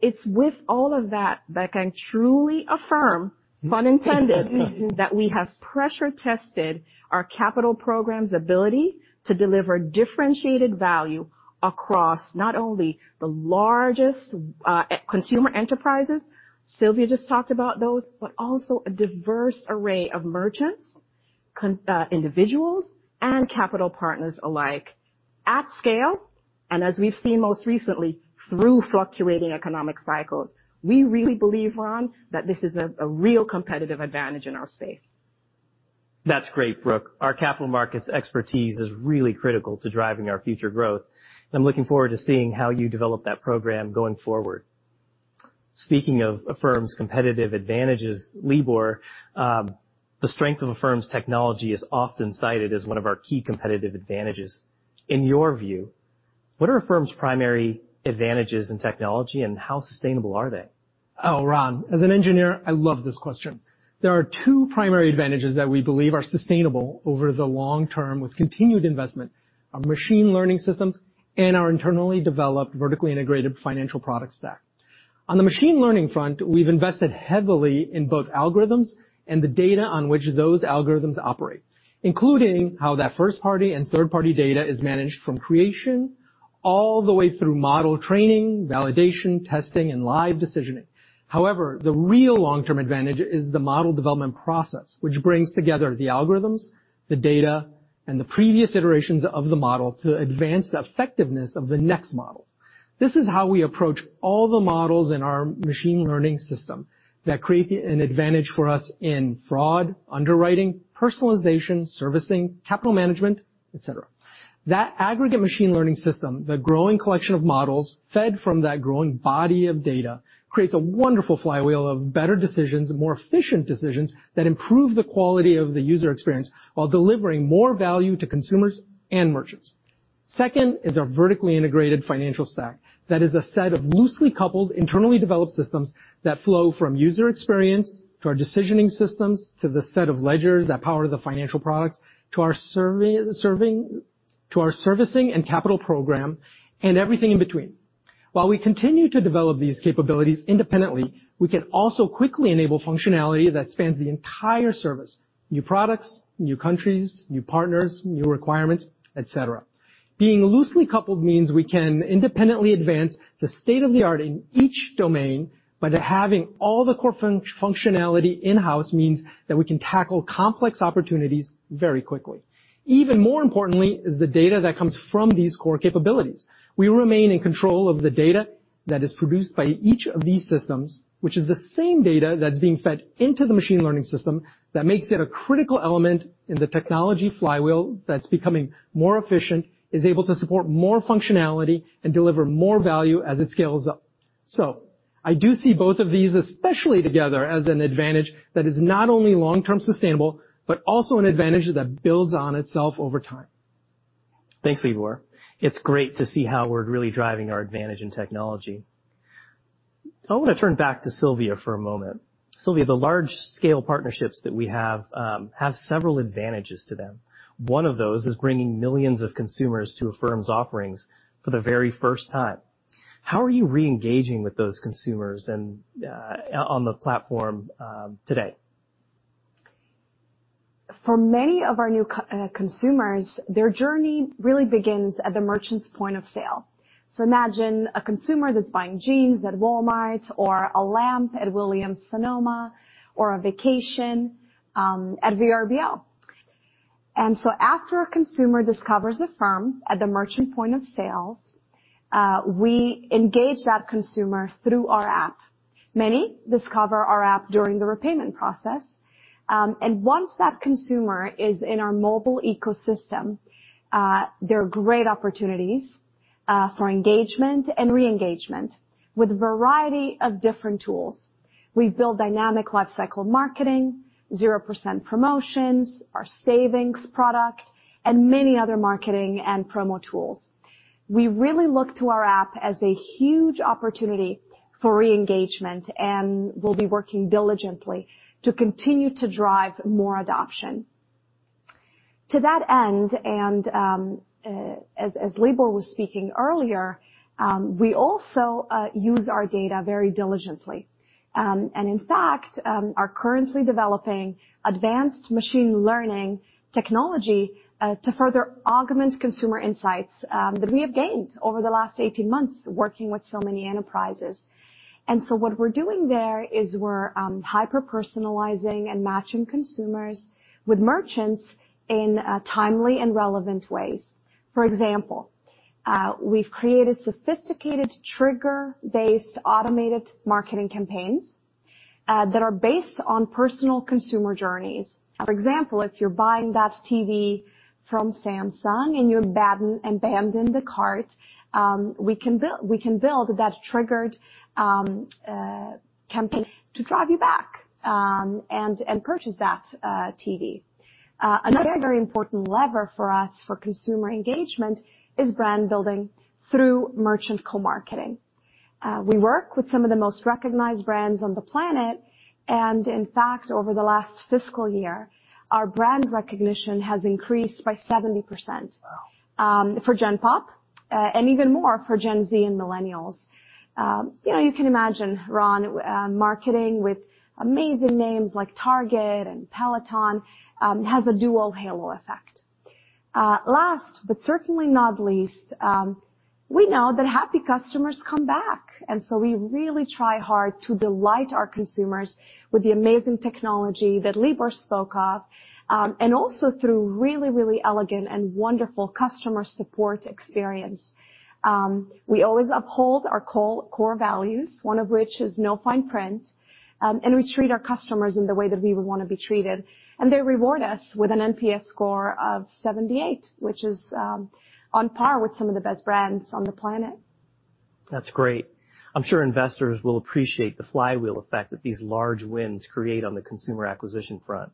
H: It's with all of that that I can truly affirm, pun intended, that we have pressure tested our capital program's ability to deliver differentiated value across not only the largest consumer enterprises, Silvija just talked about those, but also a diverse array of merchants, individuals, and capital partners alike at scale, and as we've seen most recently, through fluctuating economic cycles. We really believe, Ron, that this is a real competitive advantage in our space.
A: That's great, Brooke. Our capital markets expertise is really critical to driving our future growth, and I'm looking forward to seeing how you develop that program going forward. Speaking of Affirm's competitive advantages, Libor, the strength of Affirm's technology is often cited as one of our key competitive advantages. In your view, what are Affirm's primary advantages in technology, and how sustainable are they?
G: Oh, Ron, as an engineer, I love this question. There are two primary advantages that we believe are sustainable over the long term with continued investment, our machine learning systems and our internally developed vertically integrated financial product stack. On the machine learning front, we've invested heavily in both algorithms and the data on which those algorithms operate, including how that first-party and third-party data is managed from creation all the way through model training, validation, testing, and live decisioning. However, the real long-term advantage is the model development process, which brings together the algorithms, the data, and the previous iterations of the model to advance the effectiveness of the next model. This is how we approach all the models in our machine learning system that create an advantage for us in fraud, underwriting, personalization, servicing, capital management, et cetera. That aggregate machine learning system, the growing collection of models fed from that growing body of data, creates a wonderful flywheel of better decisions, more efficient decisions that improve the quality of the user experience while delivering more value to consumers and merchants. Second is our vertically integrated financial stack. That is a set of loosely coupled, internally developed systems that flow from user experience to our decisioning systems, to the set of ledgers that power the financial products, to our servicing and capital program, and everything in between. While we continue to develop these capabilities independently, we can also quickly enable functionality that spans the entire service, new products, new countries, new partners, new requirements, et cetera. Being loosely coupled means we can independently advance the state of the art in each domain, but having all the core functionality in-house means that we can tackle complex opportunities very quickly. Even more importantly is the data that comes from these core capabilities. We remain in control of the data that is produced by each of these systems, which is the same data that's being fed into the machine learning system that makes it a critical element in the technology flywheel that's becoming more efficient, is able to support more functionality, and deliver more value as it scales up. I do see both of these, especially together, as an advantage that is not only long-term sustainable, but also an advantage that builds on itself over time.
A: Thanks, Libor. It's great to see how we're really driving our advantage in technology. I want to turn back to Silvija for a moment. Silvija, the large-scale partnerships that we have have several advantages to them. One of those is bringing millions of consumers to Affirm's offerings for the very first time. How are you re-engaging with those consumers on the platform today?
F: For many of our new consumers, their journey really begins at the merchant's point of sale. Imagine a consumer that's buying jeans at Walmart or a lamp at Williams Sonoma or a vacation at Vrbo. After a consumer discovers Affirm at the merchant point of sales, we engage that consumer through our app. Many discover our app during the repayment process. Once that consumer is in our mobile ecosystem, there are great opportunities for engagement and re-engagement with a variety of different tools. We build dynamic lifecycle marketing, 0% promotions, our savings products, and many other marketing and promo tools. We really look to our app as a huge opportunity for re-engagement, and we'll be working diligently to continue to drive more adoption. To that end, and as Libor was speaking earlier, we also use our data very diligently. In fact, are currently developing advanced machine learning technology to further augment consumer insights that we have gained over the last 18 months working with so many enterprises. What we're doing there is we're hyper-personalizing and matching consumers with merchants in timely and relevant ways. For example, we've created sophisticated trigger-based automated marketing campaigns that are based on personal consumer journeys. For example, if you're buying that TV from Samsung and you abandon the cart, we can build that triggered campaign to drive you back and purchase that TV. Another very important lever for us for consumer engagement is brand building through merchant co-marketing. We work with some of the most recognized brands on the planet, and in fact, over the last fiscal year, our brand recognition has increased by 70% for gen pop, and even more for Gen Z and millennials. You can imagine, Ron, marketing with amazing names like Target and Peloton has a dual halo effect. Last but certainly not least, we know that happy customers come back, and so we really try hard to delight our consumers with the amazing technology that Libor Michalek spoke of, and also through really, really elegant and wonderful customer support experience. We always uphold our core values, one of which is no fine print, and we treat our customers in the way that we would want to be treated, and they reward us with an NPS score of 78, which is on par with some of the best brands on the planet.
A: That's great. I'm sure investors will appreciate the flywheel effect that these large wins create on the consumer acquisition front.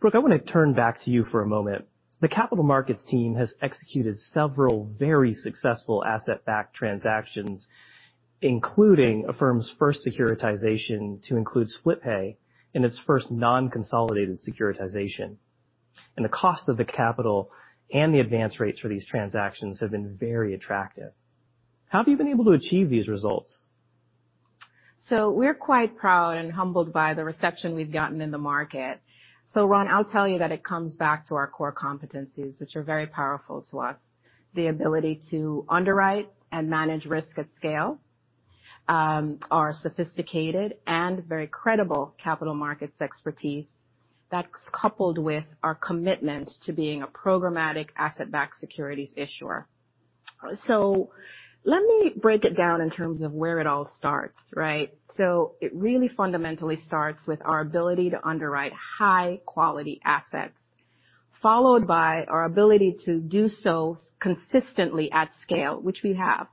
A: Brooke, I want to turn back to you for a moment. The capital markets team has executed several very successful asset-backed transactions, including Affirm's first securitization to include Split Pay and its first non-consolidated securitization. The cost of the capital and the advance rates for these transactions have been very attractive. How have you been able to achieve these results?
H: We're quite proud and humbled by the reception we've gotten in the market. Ron, I'll tell you that it comes back to our core competencies, which are very powerful to us. The ability to underwrite and manage risk at scale, our sophisticated and very credible capital markets expertise that's coupled with our commitment to being a programmatic asset-backed securities issuer. Let me break it down in terms of where it all starts, right? It really fundamentally starts with our ability to underwrite high-quality assets, followed by our ability to do so consistently at scale, which we have.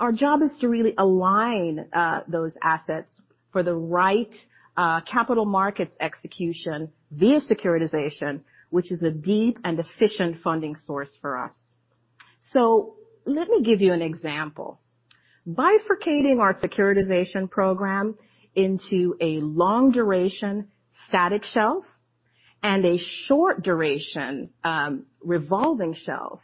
H: Our job is to really align those assets for the right capital markets execution via securitization, which is a deep and efficient funding source for us. Let me give you an example. Bifurcating our securitization program into a long-duration static shelf and a short-duration revolving shelf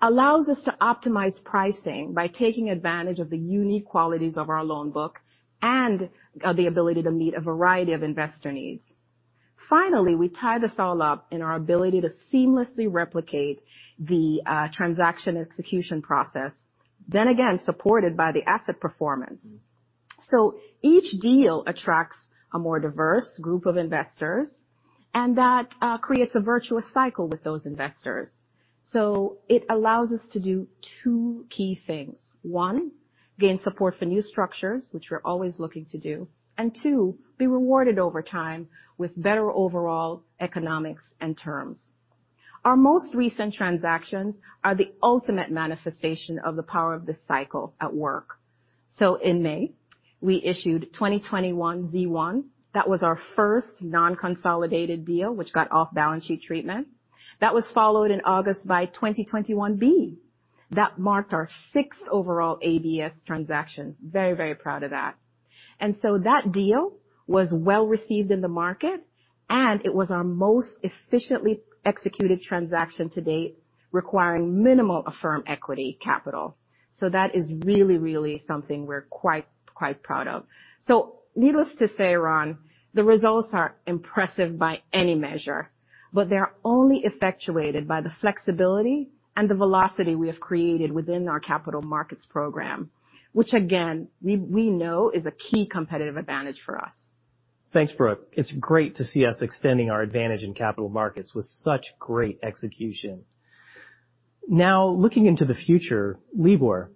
H: allows us to optimize pricing by taking advantage of the unique qualities of our loan book and the ability to meet a variety of investor needs. We tie this all up in our ability to seamlessly replicate the transaction execution process, then again, supported by the asset performance. Each deal attracts a more diverse group of investors, and that creates a virtuous cycle with those investors. It allows us to do two key things. One, gain support for new structures, which we're always looking to do. Two, be rewarded over time with better overall economics and terms. Our most recent transactions are the ultimate manifestation of the power of this cycle at work. In May, we issued 2021-Z1. That was our first non-consolidated deal, which got off-balance-sheet treatment. That was followed in August by 2021-B. That marked our sixth overall ABS transaction, very, very proud of that. That deal was well-received in the market, and it was our most efficiently executed transaction to date, requiring minimal Affirm equity capital. That is really something we're quite proud of. Needless to say, Ron, the results are impressive by any measure, but they're only effectuated by the flexibility and the velocity we have created within our capital markets program, which again, we know is a key competitive advantage for us.
A: Thanks, Brooke. It's great to see us extending our advantage in capital markets with such great execution. Now, looking into the future, Libor,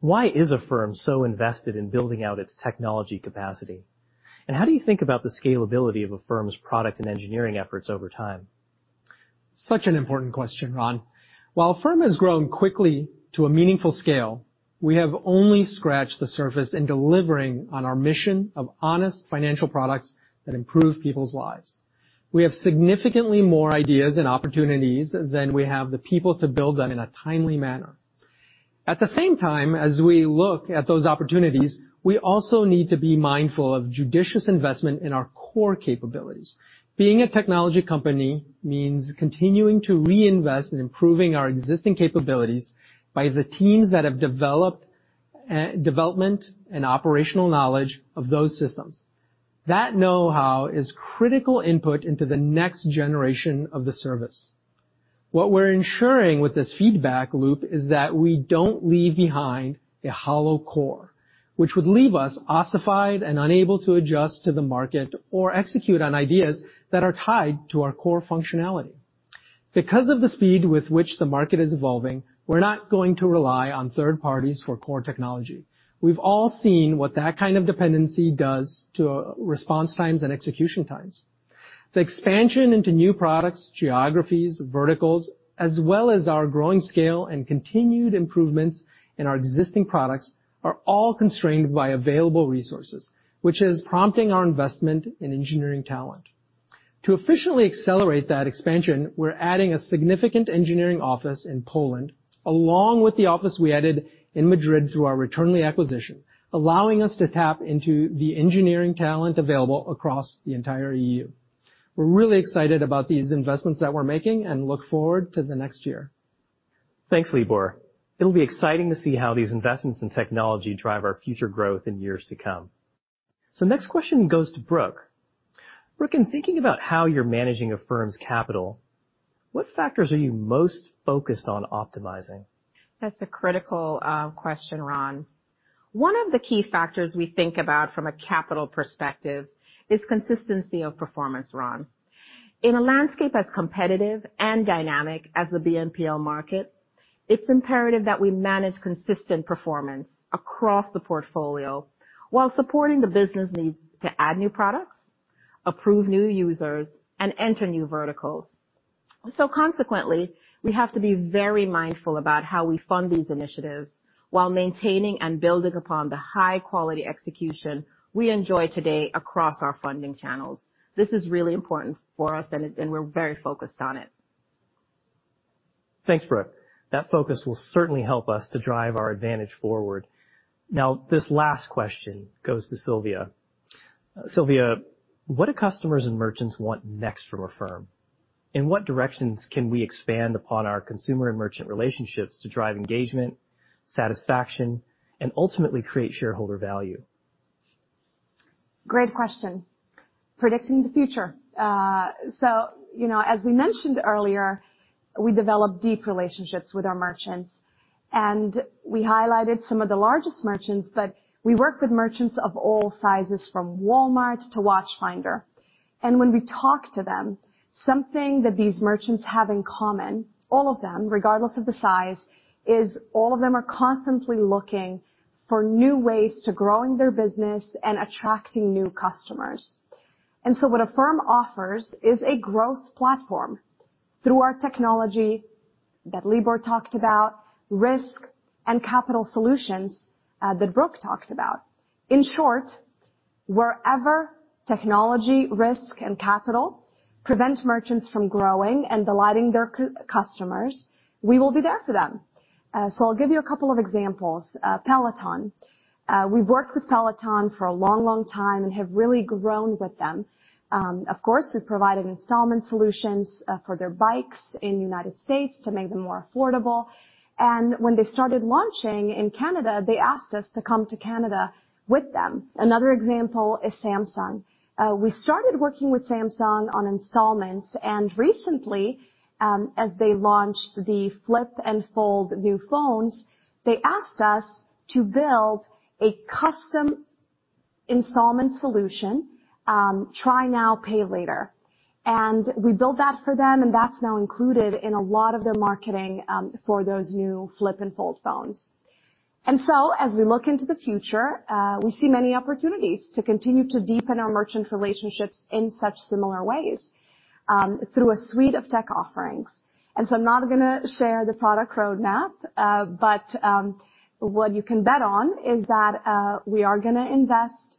A: why is Affirm so invested in building out its technology capacity? How do you think about the scalability of Affirm's product and engineering efforts over time?
G: Such an important question, Ron. While Affirm has grown quickly to a meaningful scale, we have only scratched the surface in delivering on our mission of honest financial products that improve people's lives. We have significantly more ideas and opportunities than we have the people to build them in a timely manner. At the same time, as we look at those opportunities, we also need to be mindful of judicious investment in our core capabilities. Being a technology company means continuing to reinvest in improving our existing capabilities by the teams that have development and operational knowledge of those systems. That know-how is critical input into the next generation of the service. What we're ensuring with this feedback loop is that we don't leave behind a hollow core, which would leave us ossified and unable to adjust to the market or execute on ideas that are tied to our core functionality. Because of the speed with which the market is evolving, we're not going to rely on third parties for core technology. We've all seen what that kind of dependency does to response times and execution times. The expansion into new products, geographies, verticals, as well as our growing scale and continued improvements in our existing products, are all constrained by available resources, which is prompting our investment in engineering talent. To efficiently accelerate that expansion, we're adding a significant engineering office in Poland, along with the office we added in Madrid through our Returnly acquisition, allowing us to tap into the engineering talent available across the entire EU. We're really excited about these investments that we're making and look forward to the next year.
A: Thanks, Libor. It'll be exciting to see how these investments in technology drive our future growth in years to come. Next question goes to Brooke. Brooke, in thinking about how you're managing Affirm's capital, what factors are you most focused on optimizing?
H: That's a critical question, Ron. One of the key factors we think about from a capital perspective is consistency of performance, Ron. In a landscape as competitive and dynamic as the BNPL market, it's imperative that we manage consistent performance across the portfolio while supporting the business needs to add new products, approve new users, and enter new verticals. Consequently, we have to be very mindful about how we fund these initiatives while maintaining and building upon the high-quality execution we enjoy today across our funding channels. This is really important for us, and we're very focused on it.
A: Thanks, Brooke. That focus will certainly help us to drive our advantage forward. This last question goes to Silvija. Silvija, what do customers and merchants want next from Affirm? In what directions can we expand upon our consumer and merchant relationships to drive engagement, satisfaction, and ultimately create shareholder value?
F: Great question. Predicting the future. As we mentioned earlier, we develop deep relationships with our merchants, and we highlighted some of the largest merchants, but we work with merchants of all sizes, from Walmart to Watchfinder. When we talk to them, something that these merchants have in common, all of them, regardless of the size, is all of them are constantly looking for new ways to growing their business and attracting new customers. What Affirm offers is a growth platform through our technology that Libor talked about, risk and capital solutions that Brooke talked about. In short, wherever technology, risk, and capital prevent merchants from growing and delighting their customers, we will be there for them. I'll give you a couple of examples. Peloton. We've worked with Peloton for a long, long time and have really grown with them. Of course, we've provided installment solutions for their bikes in the United States to make them more affordable. When they started launching in Canada, they asked us to come to Canada with them. Another example is Samsung. We started working with Samsung on installments. Recently, as they launched the Flip and Fold new phones, they asked us to build a custom installment solution, try now, pay later. We built that for them, and that's now included in a lot of their marketing for those new Flip and Fold phones. As we look into the future, we see many opportunities to continue to deepen our merchant relationships in such similar ways, through a suite of tech offerings. I'm not going to share the product roadmap, but what you can bet on is that we are going to invest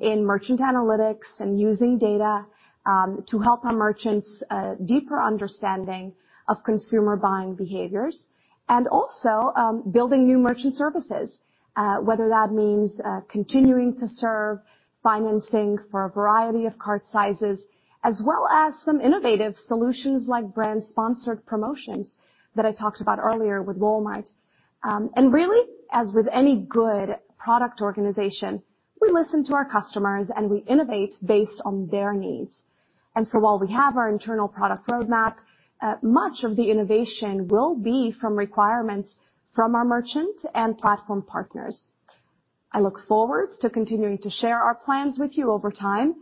F: in merchant analytics and using data to help our merchants deeper understanding of consumer buying behaviors. Building new merchant services, whether that means continuing to serve, financing for a variety of cart sizes, as well as some innovative solutions like Brand Sponsored Promotions that I talked about earlier with Walmart. As with any good product organization, we listen to our customers and we innovate based on their needs. While we have our internal product roadmap, much of the innovation will be from requirements from our merchant and platform partners. I look forward to continuing to share our plans with you over time,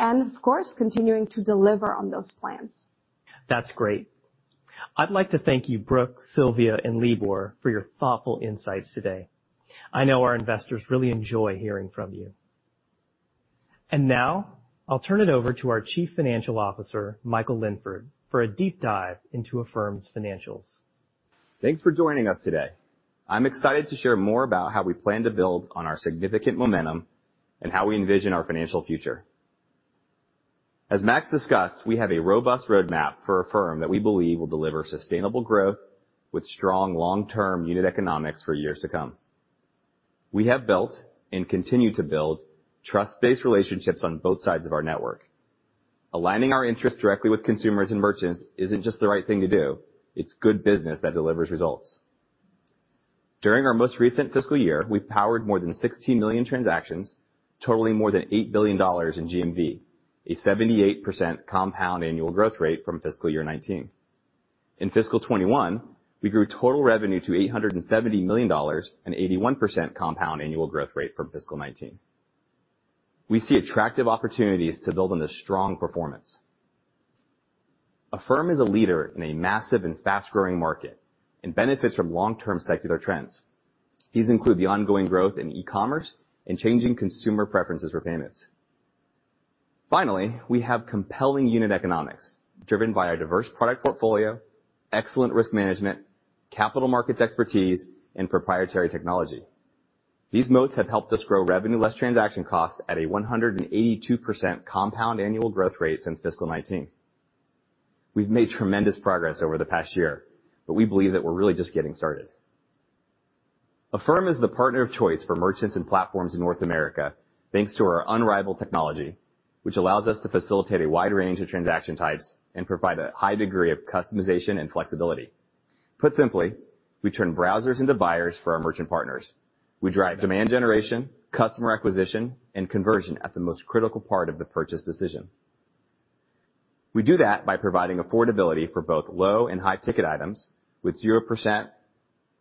F: and of course, continuing to deliver on those plans.
A: That's great. I'd like to thank you, Brooke, Silvija, and Libor for your thoughtful insights today. I know our investors really enjoy hearing from you. Now, I'll turn it over to our Chief Financial Officer, Michael Linford, for a deep dive into Affirm's financials.
I: Thanks for joining us today. I'm excited to share more about how we plan to build on our significant momentum and how we envision our financial future. As Max discussed, we have a robust roadmap for Affirm that we believe will deliver sustainable growth with strong long-term unit economics for years to come. We have built and continue to build trust-based relationships on both sides of our network. Aligning our interest directly with consumers and merchants isn't just the right thing to do, it's good business that delivers results. During our most recent fiscal year, we powered more than 16 million transactions, totaling more than $8 billion in GMV, a 78% compound annual growth rate from fiscal year 2019. In fiscal 2021, we grew total revenue to $870 million, an 81% compound annual growth rate from fiscal 2019. We see attractive opportunities to build on this strong performance. Affirm is a leader in a massive and fast-growing market and benefits from long-term secular trends. These include the ongoing growth in e-commerce and changing consumer preferences for payments. Finally, we have compelling unit economics driven by our diverse product portfolio, excellent risk management, capital markets expertise, and proprietary technology. These modes have helped us grow revenue less transaction costs at a 182% compound annual growth rate since fiscal 2019. We've made tremendous progress over the past year, but we believe that we're really just getting started. Affirm is the partner of choice for merchants and platforms in North America, thanks to our unrivaled technology, which allows us to facilitate a wide range of transaction types and provide a high degree of customization and flexibility. Put simply, we turn browsers into buyers for our merchant partners. We drive demand generation, customer acquisition, and conversion at the most critical part of the purchase decision. We do that by providing affordability for both low and high ticket items with 0%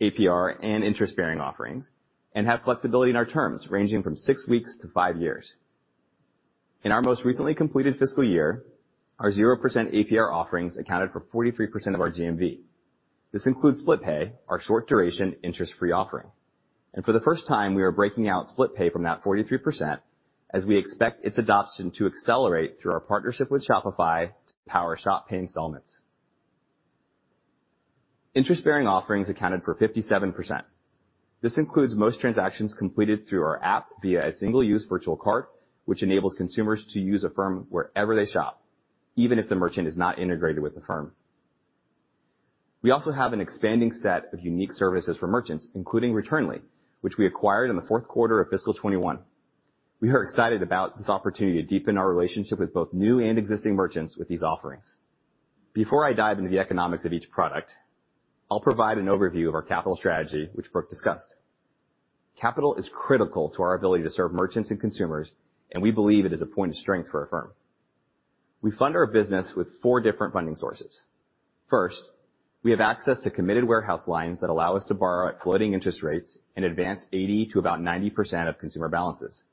I: APR and interest bearing offerings, and have flexibility in our terms ranging from six weeks to five years. In our most recently completed fiscal year, our 0% APR offerings accounted for 43% of our GMV. This includes Split Pay, our short duration interest-free offering. For the first time, we are breaking out Split Pay from that 43% as we expect its adoption to accelerate through our partnership with Shopify to power Shop Pay Installments. Interest bearing offerings accounted for 57%. This includes most transactions completed through our app via a single use virtual cart, which enables consumers to use Affirm wherever they shop, even if the merchant is not integrated with Affirm. We also have an expanding set of unique services for merchants, including Returnly, which we acquired in the fourth quarter of fiscal 2021. We are excited about this opportunity to deepen our relationship with both new and existing merchants with these offerings. Before I dive into the economics of each product, I'll provide an overview of our capital strategy, which Brooke discussed. Capital is critical to our ability to serve merchants and consumers, and we believe it is a point of strength for Affirm. We fund our business with four different funding sources. First, we have access to committed warehouse lines that allow us to borrow at floating interest rates and advance 80% to about 90% of consumer balances.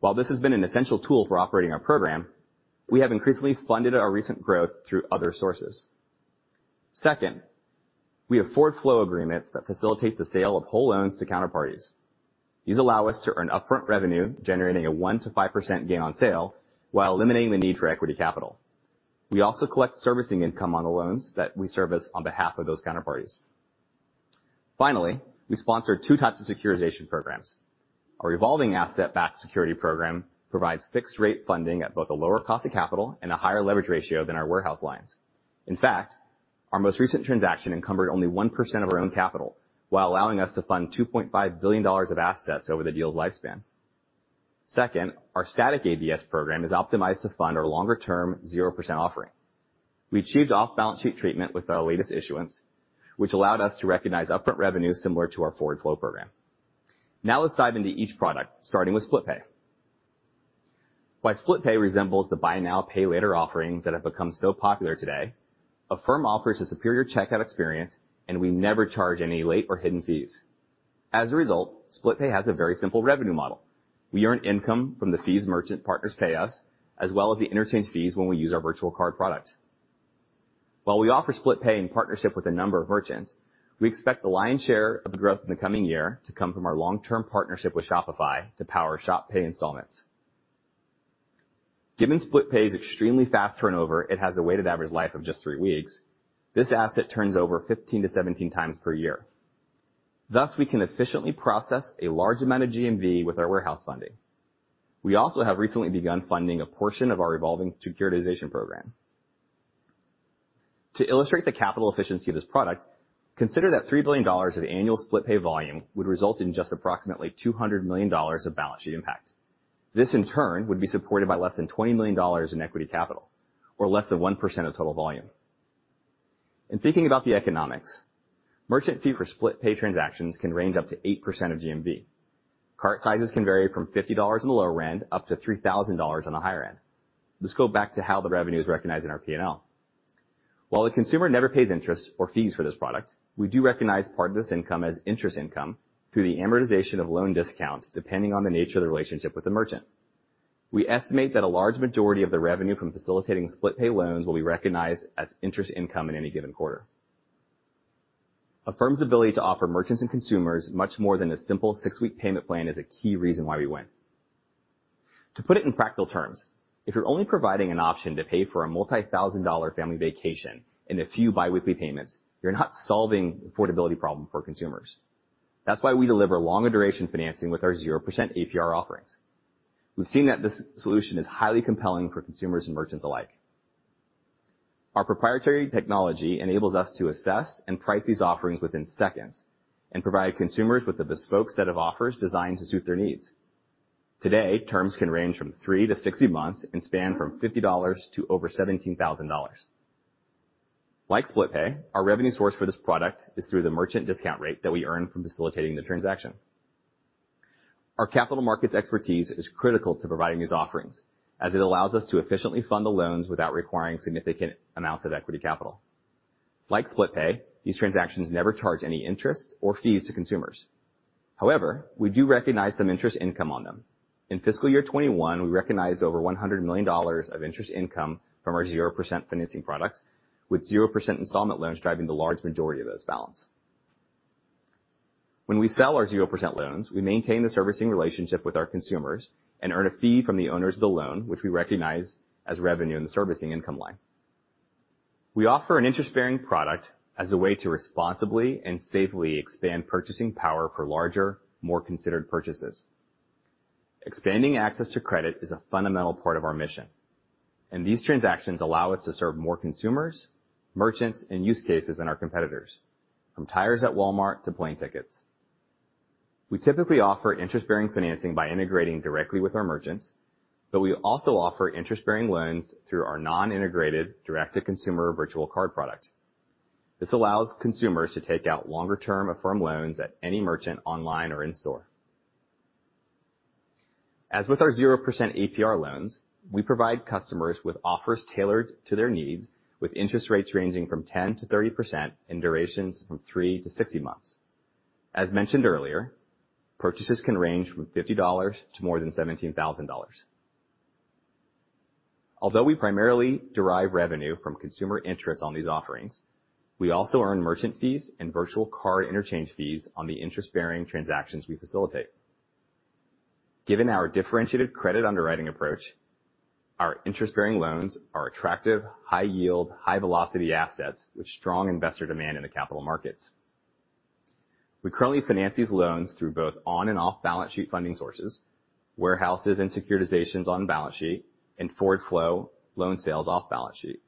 I: While this has been an essential tool for operating our program, we have increasingly funded our recent growth through other sources. Second, we have forward flow agreements that facilitate the sale of whole loans to counterparties. These allow us to earn upfront revenue, generating a 1%-5% gain on sale, while eliminating the need for equity capital. We also collect servicing income on the loans that we service on behalf of those counterparties. Finally, we sponsor two types of securitization programs. Our revolving asset-backed security program provides fixed rate funding at both a lower cost of capital and a higher leverage ratio than our warehouse lines. In fact, our most recent transaction encumbered only 1% of our own capital while allowing us to fund $2.5 billion of assets over the deal's lifespan. Second, our static ABS program is optimized to fund our longer term 0% offering. We achieved off balance sheet treatment with our latest issuance, which allowed us to recognize upfront revenue similar to our forward flow program. Let's dive into each product starting with Split Pay. While Split Pay resembles the buy now, pay later offerings that have become so popular today, Affirm offers a superior checkout experience, and we never charge any late or hidden fees. As a result, Split Pay has a very simple revenue model. We earn income from the fees merchant partners pay us, as well as the interchange fees when we use our virtual card product. We offer Split Pay in partnership with a number of merchants, we expect the lion's share of the growth in the coming year to come from our long-term partnership with Shopify to power Shop Pay Installments. Given Split Pay's extremely fast turnover, it has a weighted average life of just three weeks. This asset turns over 15-17 times per year. Thus, we can efficiently process a large amount of GMV with our warehouse funding. We also have recently begun funding a portion of our evolving securitization program. To illustrate the capital efficiency of this product, consider that $3 billion of annual Split Pay volume would result in just approximately $200 million of balance sheet impact. This, in turn, would be supported by less than $20 million in equity capital, or less than 1% of total volume. In thinking about the economics, merchant fee for Split Pay transactions can range up to 8% of GMV. Cart sizes can vary from $50 on the lower end up to $3,000 on the higher end. Let's go back to how the revenue is recognized in our P&L. While the consumer never pays interest or fees for this product, we do recognize part of this income as interest income through the amortization of loan discounts, depending on the nature of the relationship with the merchant. We estimate that a large majority of the revenue from facilitating Split Pay loans will be recognized as interest income in any given quarter. Affirm's ability to offer merchants and consumers much more than a simple six-week payment plan is a key reason why we win. To put it in practical terms, if you're only providing an option to pay for a multi-thousand-dollar family vacation in a few biweekly payments, you're not solving the affordability problem for consumers. That's why we deliver longer duration financing with our 0% APR offerings. We've seen that this solution is highly compelling for consumers and merchants alike. Our proprietary technology enables us to assess and price these offerings within seconds and provide consumers with a bespoke set of offers designed to suit their needs. Today, terms can range from 3-60 months and span from $50 to over $17,000. Like Split Pay, our revenue source for this product is through the merchant discount rate that we earn from facilitating the transaction. Our capital markets expertise is critical to providing these offerings, as it allows us to efficiently fund the loans without requiring significant amounts of equity capital. Like Split Pay, these transactions never charge any interest or fees to consumers. However, we do recognize some interest income on them. In fiscal year 2021, we recognized over $100 million of interest income from our 0% financing products, with 0% installment loans driving the large majority of those balance. When we sell our 0% loans, we maintain the servicing relationship with our consumers and earn a fee from the owners of the loan, which we recognize as revenue in the servicing income line. We offer an interest-bearing product as a way to responsibly and safely expand purchasing power for larger, more considered purchases. Expanding access to credit is a fundamental part of our mission, and these transactions allow us to serve more consumers, merchants, and use cases than our competitors, from tires at Walmart to plane tickets. We typically offer interest-bearing financing by integrating directly with our merchants, but we also offer interest-bearing loans through our non-integrated direct-to-consumer virtual card product. This allows consumers to take out longer-term Affirm loans at any merchant, online or in store. As with our 0% APR loans, we provide customers with offers tailored to their needs, with interest rates ranging from 10%-30% in durations from 3-60 months. As mentioned earlier, purchases can range from $50 to more than $17,000. Although we primarily derive revenue from consumer interest on these offerings, we also earn merchant fees and virtual card interchange fees on the interest-bearing transactions we facilitate. Given our differentiated credit underwriting approach, our interest-bearing loans are attractive, high yield, high velocity assets with strong investor demand in the capital markets. We currently finance these loans through both on and off-balance sheet funding sources, warehouses and securitizations on-balance sheet, and forward flow loan sales off-balance sheet.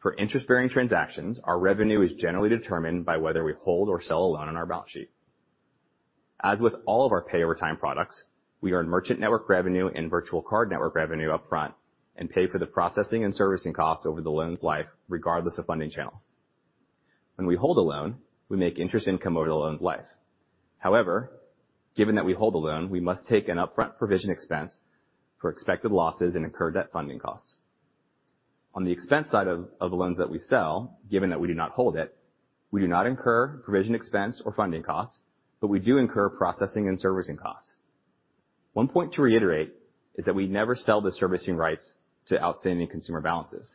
I: For interest-bearing transactions, our revenue is generally determined by whether we hold or sell a loan on our balance sheet. As with all of our pay over time products, we earn merchant network revenue and virtual card network revenue upfront and pay for the processing and servicing costs over the loan's life, regardless of funding channel. When we hold a loan, we make interest income over the loan's life. However, given that we hold a loan, we must take an upfront provision expense for expected losses and incurred debt funding costs. On the expense side of the loans that we sell, given that we do not hold it, we do not incur provision expense or funding costs, but we do incur processing and servicing costs. One point to reiterate is that we never sell the servicing rights to outstanding consumer balances.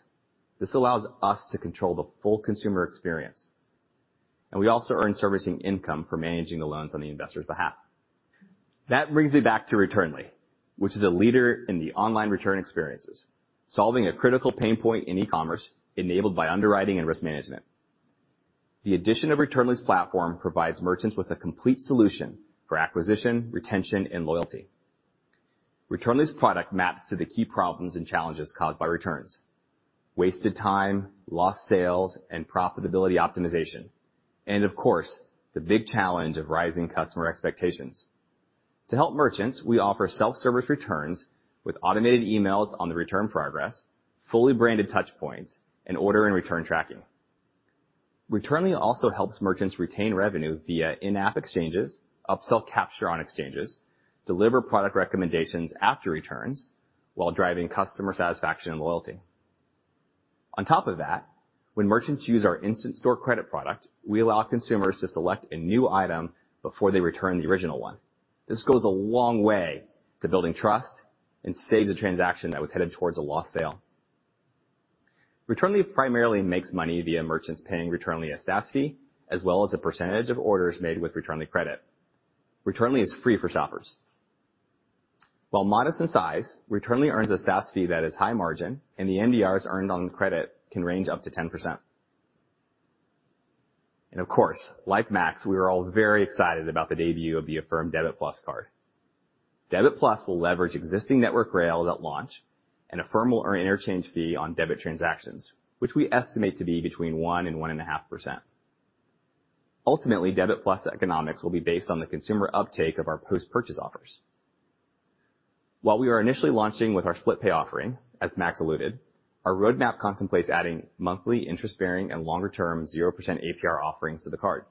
I: This allows us to control the full consumer experience, and we also earn servicing income for managing the loans on the investor's behalf. That brings me back to Returnly, which is a leader in the online return experiences, solving a critical pain point in e-commerce enabled by underwriting and risk management. The addition of Returnly's platform provides merchants with a complete solution for acquisition, retention, and loyalty. Returnly's product maps to the key problems and challenges caused by returns, wasted time, lost sales, and profitability optimization, and of course, the big challenge of rising customer expectations. To help merchants, we offer self-service returns with automated emails on the return progress, fully branded touchpoints, and order and return tracking. Returnly also helps merchants retain revenue via in-app exchanges, upsell capture on exchanges, deliver product recommendations after returns, while driving customer satisfaction and loyalty. On top of that, when merchants use our instant store credit product, we allow consumers to select a new item before they return the original one. This goes a long way to building trust and saves a transaction that was headed towards a lost sale. Returnly primarily makes money via merchants paying Returnly a SaaS fee, as well as a percentage of orders made with Returnly credit. Returnly is free for shoppers. While modest in size, Returnly earns a SaaS fee that is high margin, and the NDRs earned on credit can range up to 10%. Of course, like Max, we are all very excited about the debut of the Affirm Debit+ Card. Debit+ will leverage existing network rail at launch, and Affirm will earn interchange fee on debit transactions, which we estimate to be between 1% and 1.5%. Ultimately, Debit+ economics will be based on the consumer uptake of our post-purchase offers. While we are initially launching with our Split Pay offering, as Max alluded, our roadmap contemplates adding monthly interest-bearing and longer-term 0% APR offerings to the card.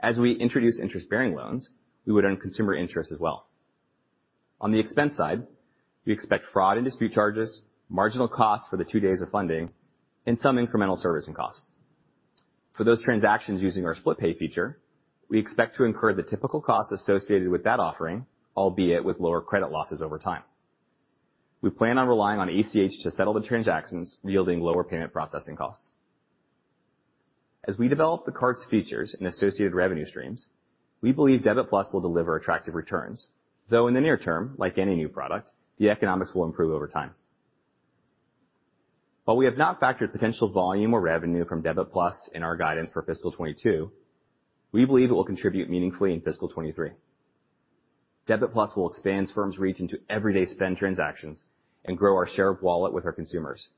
I: As we introduce interest-bearing loans, we would earn consumer interest as well. On the expense side, we expect fraud and dispute charges, marginal costs for the two days of funding, and some incremental servicing costs. For those transactions using our Split Pay feature, we expect to incur the typical costs associated with that offering, albeit with lower credit losses over time. We plan on relying on ACH to settle the transactions, yielding lower payment processing costs. As we develop the card's features and associated revenue streams, we believe Debit+ will deliver attractive returns. Though in the near term, like any new product, the economics will improve over time. While we have not factored potential volume or revenue from Debit+ in our guidance for fiscal 2022, we believe it will contribute meaningfully in fiscal 2023. Debit+ will expand Affirm's reach into everyday spend transactions and grow our share of wallet with our consumers.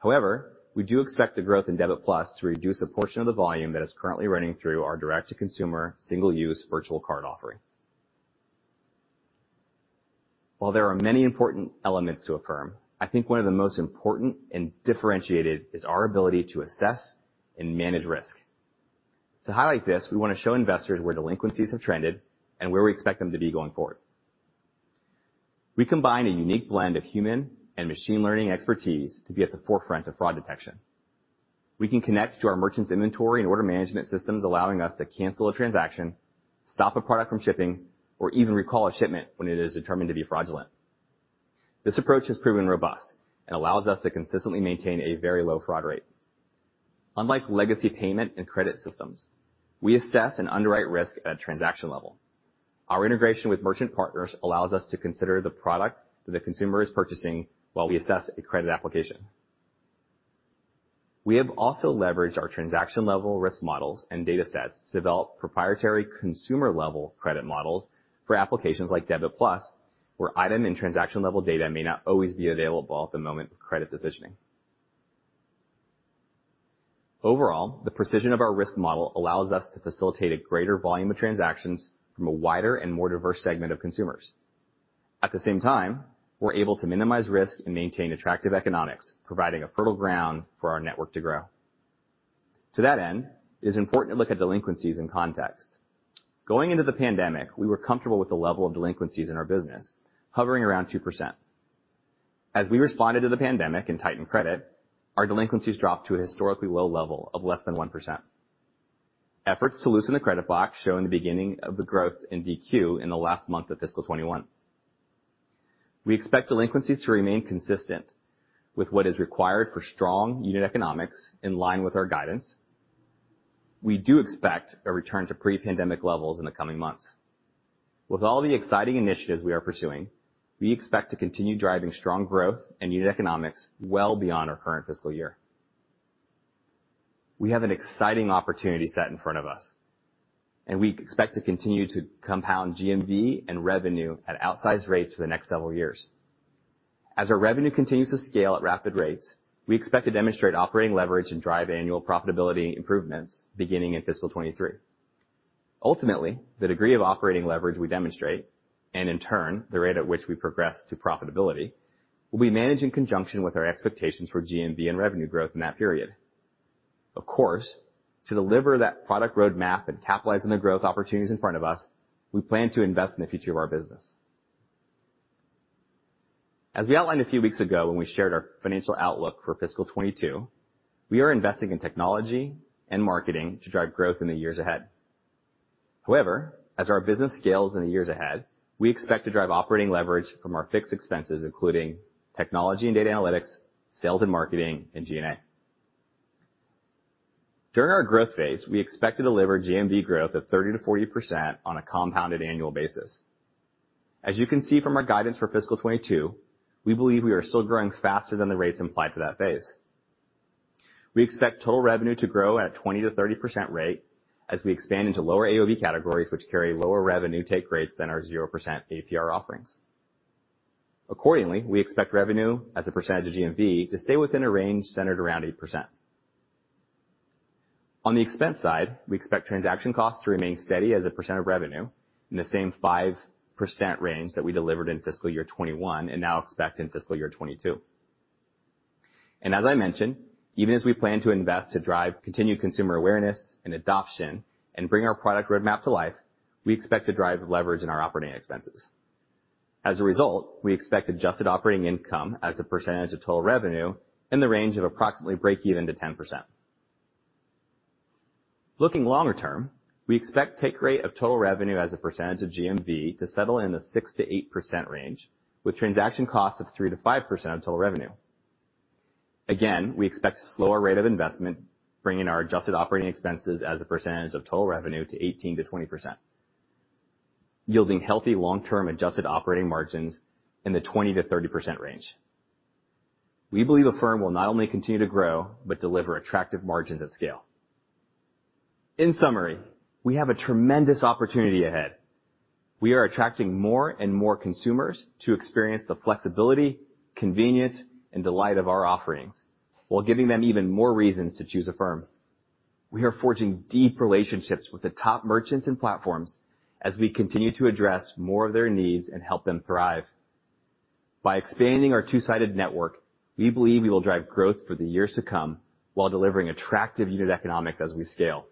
I: However, we do expect the growth in Debit+ to reduce a portion of the volume that is currently running through our direct-to-consumer single-use virtual card offering. While there are many important elements to Affirm, I think one of the most important and differentiated is our ability to assess and manage risk. To highlight this, we want to show investors where delinquencies have trended and where we expect them to be going forward. We combine a unique blend of human and machine learning expertise to be at the forefront of fraud detection. We can connect to our merchants' inventory and order management systems, allowing us to cancel a transaction, stop a product from shipping, or even recall a shipment when it is determined to be fraudulent. This approach has proven robust and allows us to consistently maintain a very low fraud rate. Unlike legacy payment and credit systems, we assess and underwrite risk at a transaction level. Our integration with merchant partners allows us to consider the product that the consumer is purchasing while we assess a credit application. We have also leveraged our transaction-level risk models and data sets to develop proprietary consumer-level credit models for applications like Debit+, where item and transaction-level data may not always be available at the moment of credit decisioning. Overall, the precision of our risk model allows us to facilitate a greater volume of transactions from a wider and more diverse segment of consumers. At the same time, we're able to minimize risk and maintain attractive economics, providing a fertile ground for our network to grow. To that end, it is important to look at delinquencies in context. Going into the pandemic, we were comfortable with the level of delinquencies in our business, hovering around 2%. As we responded to the pandemic and tightened credit, our delinquencies dropped to a historically low level of less than 1%. Efforts to loosen the credit block show in the beginning of the growth in DQ in the last month of fiscal 2021. We expect delinquencies to remain consistent with what is required for strong unit economics in line with our guidance. We do expect a return to pre-pandemic levels in the coming months. With all the exciting initiatives we are pursuing, we expect to continue driving strong growth and unit economics well beyond our current fiscal year. We have an exciting opportunity set in front of us, and we expect to continue to compound GMV and revenue at outsized rates for the next several years. As our revenue continues to scale at rapid rates, we expect to demonstrate operating leverage and drive annual profitability improvements beginning in fiscal 2023. Ultimately, the degree of operating leverage we demonstrate, and in turn, the rate at which we progress to profitability, will be managed in conjunction with our expectations for GMV and revenue growth in that period. Of course, to deliver that product roadmap and capitalize on the growth opportunities in front of us, we plan to invest in the future of our business. As we outlined a few weeks ago when we shared our financial outlook for fiscal 2022, we are investing in technology and marketing to drive growth in the years ahead. However, as our business scales in the years ahead, we expect to drive operating leverage from our fixed expenses, including technology and data analytics, sales and marketing, and G&A. During our growth phase, we expect to deliver GMV growth of 30%-40% on a compounded annual basis. As you can see from our guidance for fiscal 2022, we believe we are still growing faster than the rates implied for that phase. We expect total revenue to grow at a 20%-30% rate as we expand into lower AOV categories, which carry lower revenue take rates than our 0% APR offerings. Accordingly, we expect revenue as a percentage of GMV to stay within a range centered around 80%. On the expense side, we expect transaction costs to remain steady as a percent of revenue in the same 5% range that we delivered in fiscal year 2021 and now expect in fiscal year 2022. As I mentioned, even as we plan to invest to drive continued consumer awareness and adoption and bring our product roadmap to life, we expect to drive leverage in our operating expenses. As a result, we expect adjusted operating income as a percentage of total revenue in the range of approximately breakeven to 10%. Looking longer term, we expect take rate of total revenue as a percentage of GMV to settle in the 6%-8% range, with transaction costs of 3%-5% of total revenue. Again, we expect a slower rate of investment, bringing our adjusted operating expenses as a percentage of total revenue to 18%-20%, yielding healthy long-term adjusted operating margins in the 20%-30% range. We believe Affirm will not only continue to grow, but deliver attractive margins at scale. In summary, we have a tremendous opportunity ahead. We are attracting more and more consumers to experience the flexibility, convenience, and delight of our offerings while giving them even more reasons to choose Affirm. We are forging deep relationships with the top merchants and platforms as we continue to address more of their needs and help them thrive. By expanding our two-sided network, we believe we will drive growth for the years to come while delivering attractive unit economics as we scale.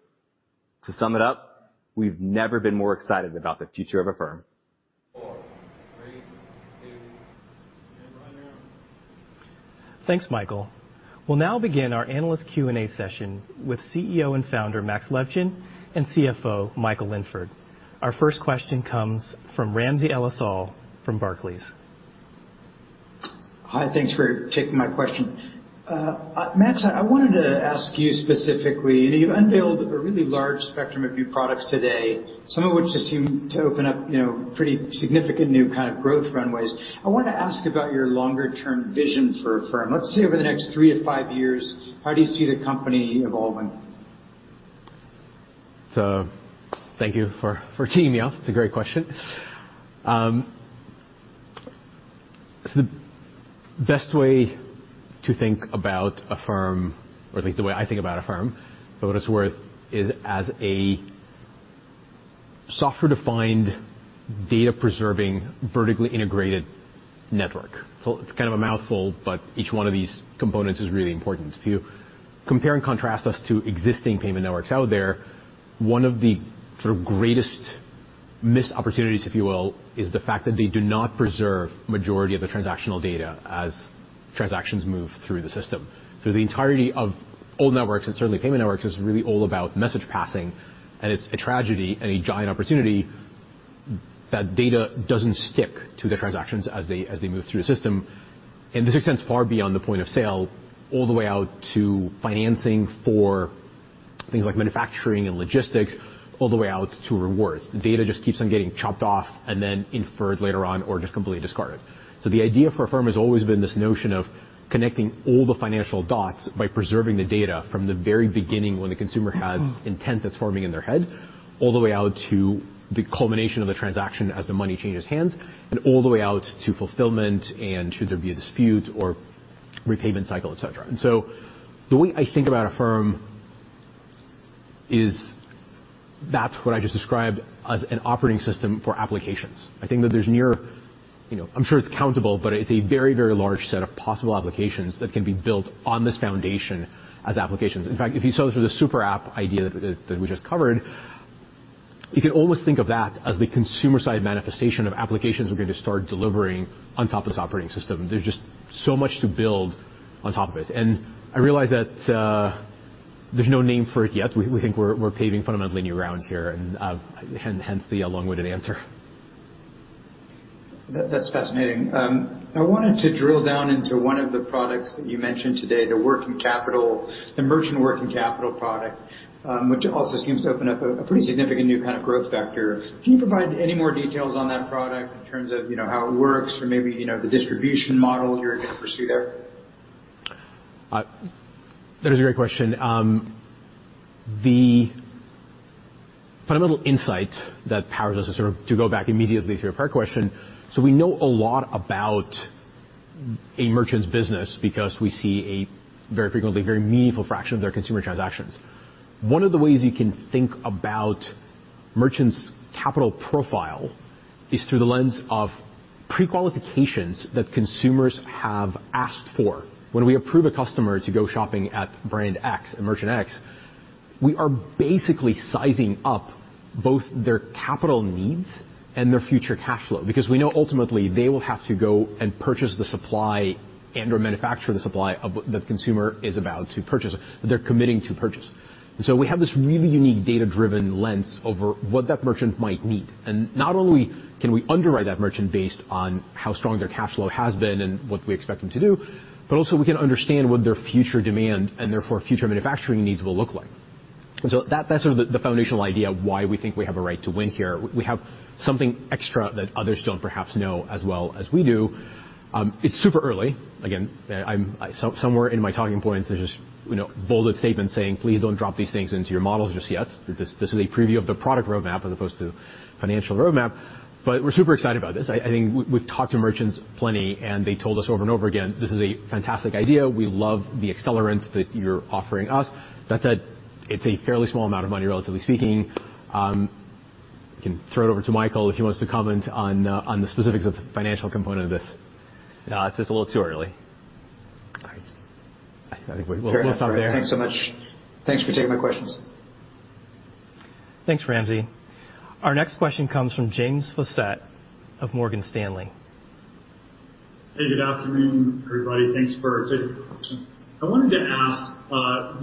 I: To sum it up, we've never been more excited about the future of Affirm.
A: Thanks, Michael. We'll now begin our analyst Q&A session with CEO and Founder, Max Levchin, and CFO, Michael Linford. Our first question comes from Ramsey El-Assal from Barclays.
J: Hi. Thanks for taking my question. Max, I wanted to ask you specifically, you unveiled a really large spectrum of new products today, some of which just seem to open up pretty significant new kind of growth runways. I want to ask about your longer-term vision for Affirm. Let's say over the next three to five years, how do you see the company evolving?
B: Thank you for teeing me up. It's a great question. The best way to think about Affirm, or at least the way I think about Affirm, for what it's worth, is as a software-defined data preserving, vertically integrated network. It's kind of a mouthful, but each one of these components is really important. If you compare and contrast us to existing payment networks out there, one of the sort of greatest missed opportunities, if you will, is the fact that they do not preserve majority of the transactional data as transactions move through the system. The entirety of old networks, and certainly payment networks, is really all about message passing, and it's a tragedy and a giant opportunity that data doesn't stick to the transactions as they move through the system. This extends far beyond the point of sale all the way out to financing for things like manufacturing and logistics, all the way out to rewards. The data just keeps on getting chopped off and then inferred later on or just completely discarded. The idea for Affirm has always been this notion of connecting all the financial dots by preserving the data from the very beginning when the consumer has intent that's forming in their head, all the way out to the culmination of the transaction as the money changes hands, and all the way out to fulfillment and should there be a dispute or repayment cycle, et cetera. The way I think about Affirm is that's what I just described as an operating system for applications. I think that there's, I'm sure it's countable, but it's a very, very large set of possible applications that can be built on this foundation as applications. If you saw the sort of SuperApp idea that we just covered, you could almost think of that as the consumer side manifestation of applications we're going to start delivering on top of this operating system. There's just so much to build on top of it. I realize that there's no name for it yet. We think we're paving fundamentally new ground here. Hence the long-winded answer.
J: That's fascinating. I wanted to drill down into one of the products that you mentioned today, the merchant working capital product, which also seems to open up a pretty significant new kind of growth factor. Can you provide any more details on that product in terms of how it works or maybe the distribution model you're going to pursue there?
B: That is a great question. The fundamental insight that powers us is sort of to go back immediately to your prior question. We know a lot about a merchant's business because we see a very frequently, very meaningful fraction of their consumer transactions. One of the ways you can think about merchant's capital profile is through the lens of pre-qualifications that consumers have asked for. When we approve a customer to go shopping at brand X and merchant X, we are basically sizing up both their capital needs and their future cash flow because we know ultimately they will have to go and purchase the supply and/or manufacture the supply of what the consumer is about to purchase or they're committing to purchase. We have this really unique data-driven lens over what that merchant might need, and not only can we underwrite that merchant based on how strong their cash flow has been and what we expect them to do, but also we can understand what their future demand and therefore future manufacturing needs will look like. That's sort of the foundational idea of why we think we have a right to win here. We have something extra that others don't perhaps know as well as we do. It's super early. Again, somewhere in my talking points, there's this bolded statement saying, "Please don't drop these things into your models just yet." This is a preview of the product roadmap as opposed to financial roadmap. We're super excited about this. I think we've talked to merchants plenty, and they told us over and over again, "This is a fantastic idea. We love the accelerant that you're offering us." That said, it's a fairly small amount of money, relatively speaking. I can throw it over to Michael if he wants to comment on the specifics of the financial component of this.
I: It's just a little too early.
B: I think we'll stop there.
J: Fair enough. Thanks so much. Thanks for taking my questions.
A: Thanks, Ramsey. Our next question comes from James Faucette of Morgan Stanley.
K: Hey, good afternoon, everybody. Thanks for taking the question. I wanted to ask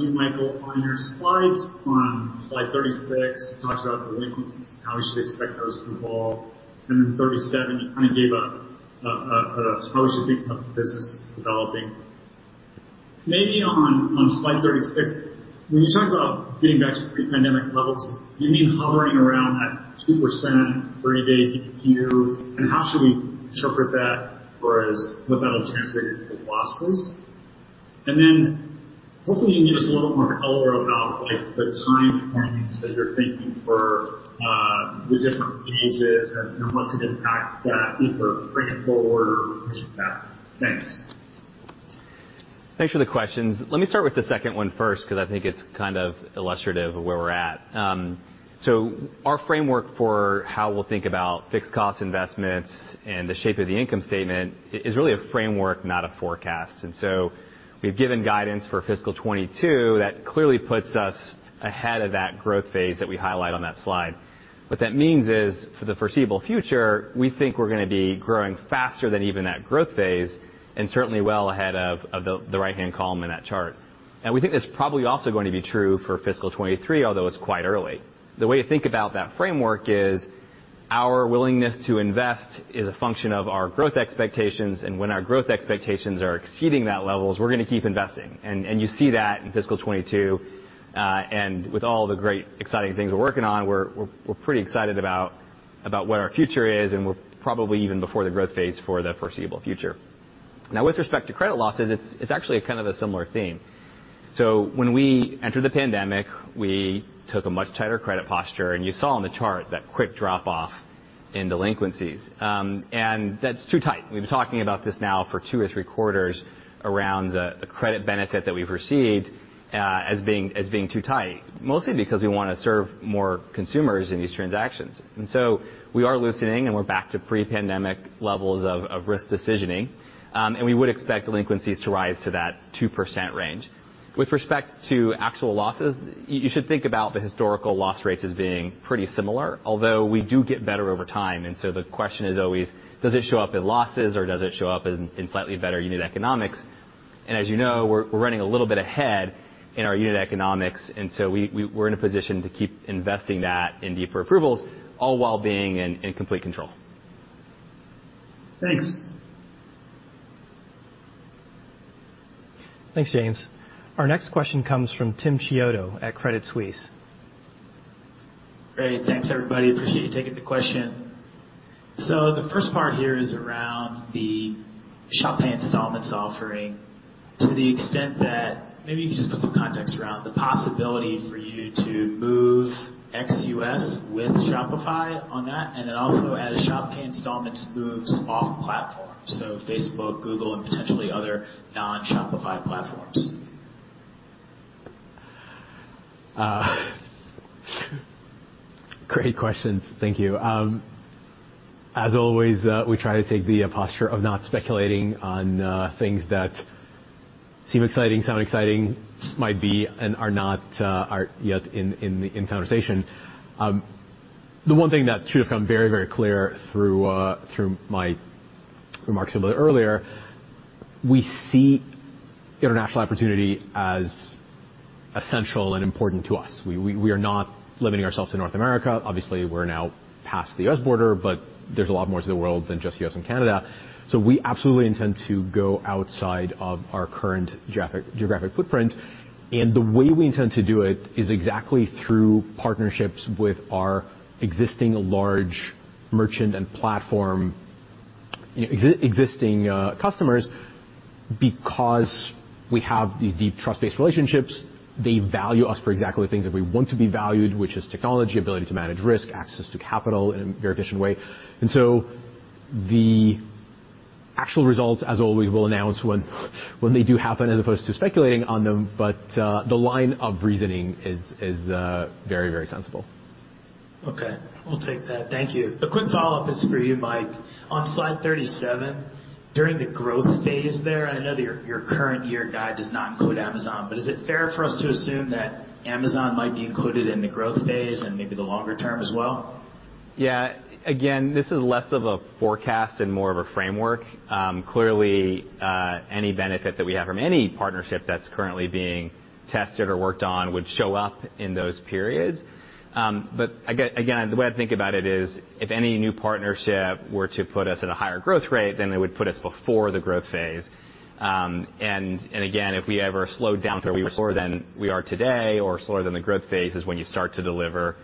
K: you, Michael, on your slides, on slide 36, you talked about delinquencies and how we should expect those to evolve. 37, you kind of gave how we should think about the business developing. Maybe on slide 36, when you talk about getting back to pre-pandemic levels, you mean hovering around that 2% 30-day DQ, how should we interpret that whereas what that'll translate into losses? Hopefully you can give us a little more color about the time points that you're thinking for the different phases and what could impact that, either bring it forward or push it back. Thanks.
I: Thanks for the questions. Let me start with the second one first because I think it's kind of illustrative of where we're at. Our framework for how we'll think about fixed cost investments and the shape of the income statement is really a framework, not a forecast. We've given guidance for fiscal 2022 that clearly puts us ahead of that growth phase that we highlight on that slide. What that means is, for the foreseeable future, we think we're going to be growing faster than even that growth phase, and certainly well ahead of the right-hand column in that chart. We think that's probably also going to be true for fiscal 2023, although it's quite early. The way to think about that framework is our willingness to invest is a function of our growth expectations, and when our growth expectations are exceeding that level is we're going to keep investing. You see that in fiscal 2022. With all the great exciting things we're working on, we're pretty excited about what our future is, and we're probably even before the growth phase for the foreseeable future. Now with respect to credit losses, it's actually a kind of a similar theme. When we entered the pandemic, we took a much tighter credit posture, and you saw on the chart that quick drop off in delinquencies. That's too tight. We've been talking about this now for two or three quarters around the credit benefit that we've received as being too tight, mostly because we want to serve more consumers in these transactions. We are loosening, and we're back to pre-pandemic levels of risk decisioning. We would expect delinquencies to rise to that 2% range. With respect to actual losses, you should think about the historical loss rates as being pretty similar, although we do get better over time. The question is always, does it show up in losses, or does it show up in slightly better unit economics? As you know, we're running a little bit ahead in our unit economics, so we're in a position to keep investing that in deeper approvals, all while being in complete control.
K: Thanks.
A: Thanks, James. Our next question comes from Tim Chiodo at Credit Suisse.
L: Great. Thanks, everybody. Appreciate you taking the question. The first part here is around the Shop Pay Installments offering to the extent that maybe you could just put some context around the possibility for you to move ex-U.S. with Shopify on that, and then also as Shop Pay Installments moves off platform, Facebook, Google, and potentially other non-Shopify platforms.
B: Great questions, thank you. Always, we try to take the posture of not speculating on things that seem exciting, sound exciting, might be, and are not yet in conversation. The one thing that should have come very clear through my remarks a little earlier, we see international opportunity as essential and important to us. We are not limiting ourselves to North America. Obviously, we're now past the U.S. border, there's a lot more to the world than just U.S. and Canada. We absolutely intend to go outside of our current geographic footprint, and the way we intend to do it is exactly through partnerships with our existing large merchant and platform existing customers, because we have these deep trust-based relationships. They value us for exactly the things that we want to be valued, which is technology, ability to manage risk, access to capital in a very efficient way. The actual results, as always, we'll announce when they do happen as opposed to speculating on them. The line of reasoning is very sensible.
L: Okay, we'll take that thank you. A quick follow-up is for you, Mike. On slide 37, during the growth phase there, and I know your current year guide does not include Amazon, but is it fair for us to assume that Amazon might be included in the growth phase and maybe the longer term as well?
I: Yeah. This is less of a forecast and more of a framework. Clearly, any benefit that we have from any partnership that's currently being tested or worked on would show up in those periods. The way I think about it is if any new partnership were to put us at a higher growth rate, then it would put us before the growth phase. If we ever slowed down to be slower than we are today or slower than the growth phase is when you start to deliver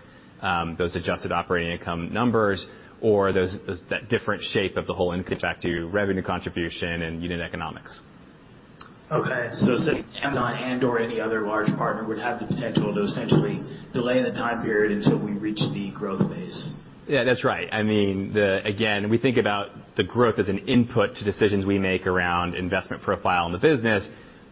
I: those adjusted operating income numbers or that different shape of the whole income statement back to revenue contribution and unit economics.
L: Okay. (sitting amazon) and or any other large partner would have the potential to essentially delay the time period until we reach the growth phase.
I: Yeah, that's right. Again, we think about the growth as an input to decisions we make around investment profile in the business.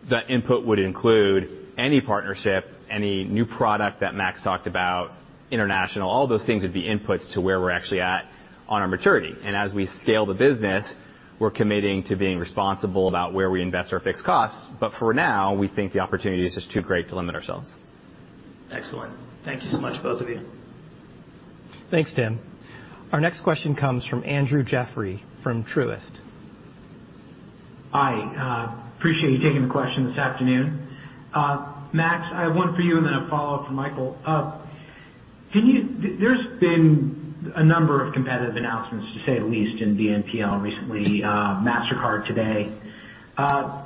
I: The input would include any partnership, any new product that Max talked about, international. All those things would be inputs to where we're actually at on our maturity. As we scale the business, we're committing to being responsible about where we invest our fixed costs. For now, we think the opportunity is just too great to limit ourselves.
L: Excellent. Thank you so much, both of you.
A: Thanks, Tim. Our next question comes from Andrew Jeffrey from Truist.
M: Hi. Appreciate you taking the question this afternoon. Max, I have one for you and then a follow-up for Michael. There's been a number of competitive announcements, to say the least, in BNPL recently, Mastercard today.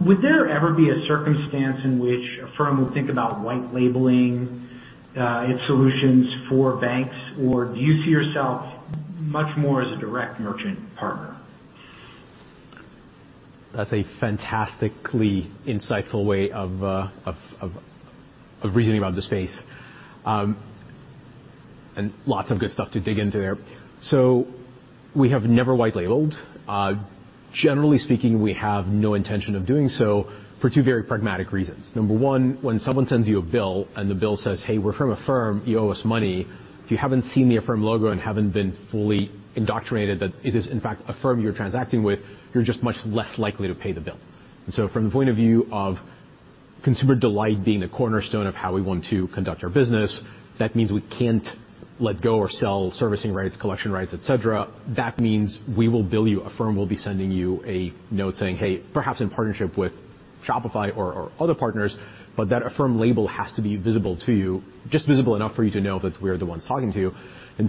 M: Would there ever be a circumstance in which Affirm would think about white labeling its solutions for banks, or do you see yourself much more as a direct merchant partner?
B: That's a fantastically insightful way of reasoning about the space. Lots of good stuff to dig into there. We have never white labeled. Generally speaking, we have no intention of doing so for two very pragmatic reasons. Number one, when someone sends you a bill and the bill says, "Hey, we're from Affirm, you owe us money." If you haven't seen the Affirm logo and haven't been fully indoctrinated that it is in fact Affirm you're transacting with, you're just much less likely to pay the bill. From the point of view of consumer delight being a cornerstone of how we want to conduct our business, that means we can't let go or sell servicing rights, collection rights, et cetera. That means we will bill you. Affirm will be sending you a note saying, "Hey," perhaps in partnership with Shopify or other partners, but that Affirm label has to be visible to you. Just visible enough for you to know that we're the ones talking to you.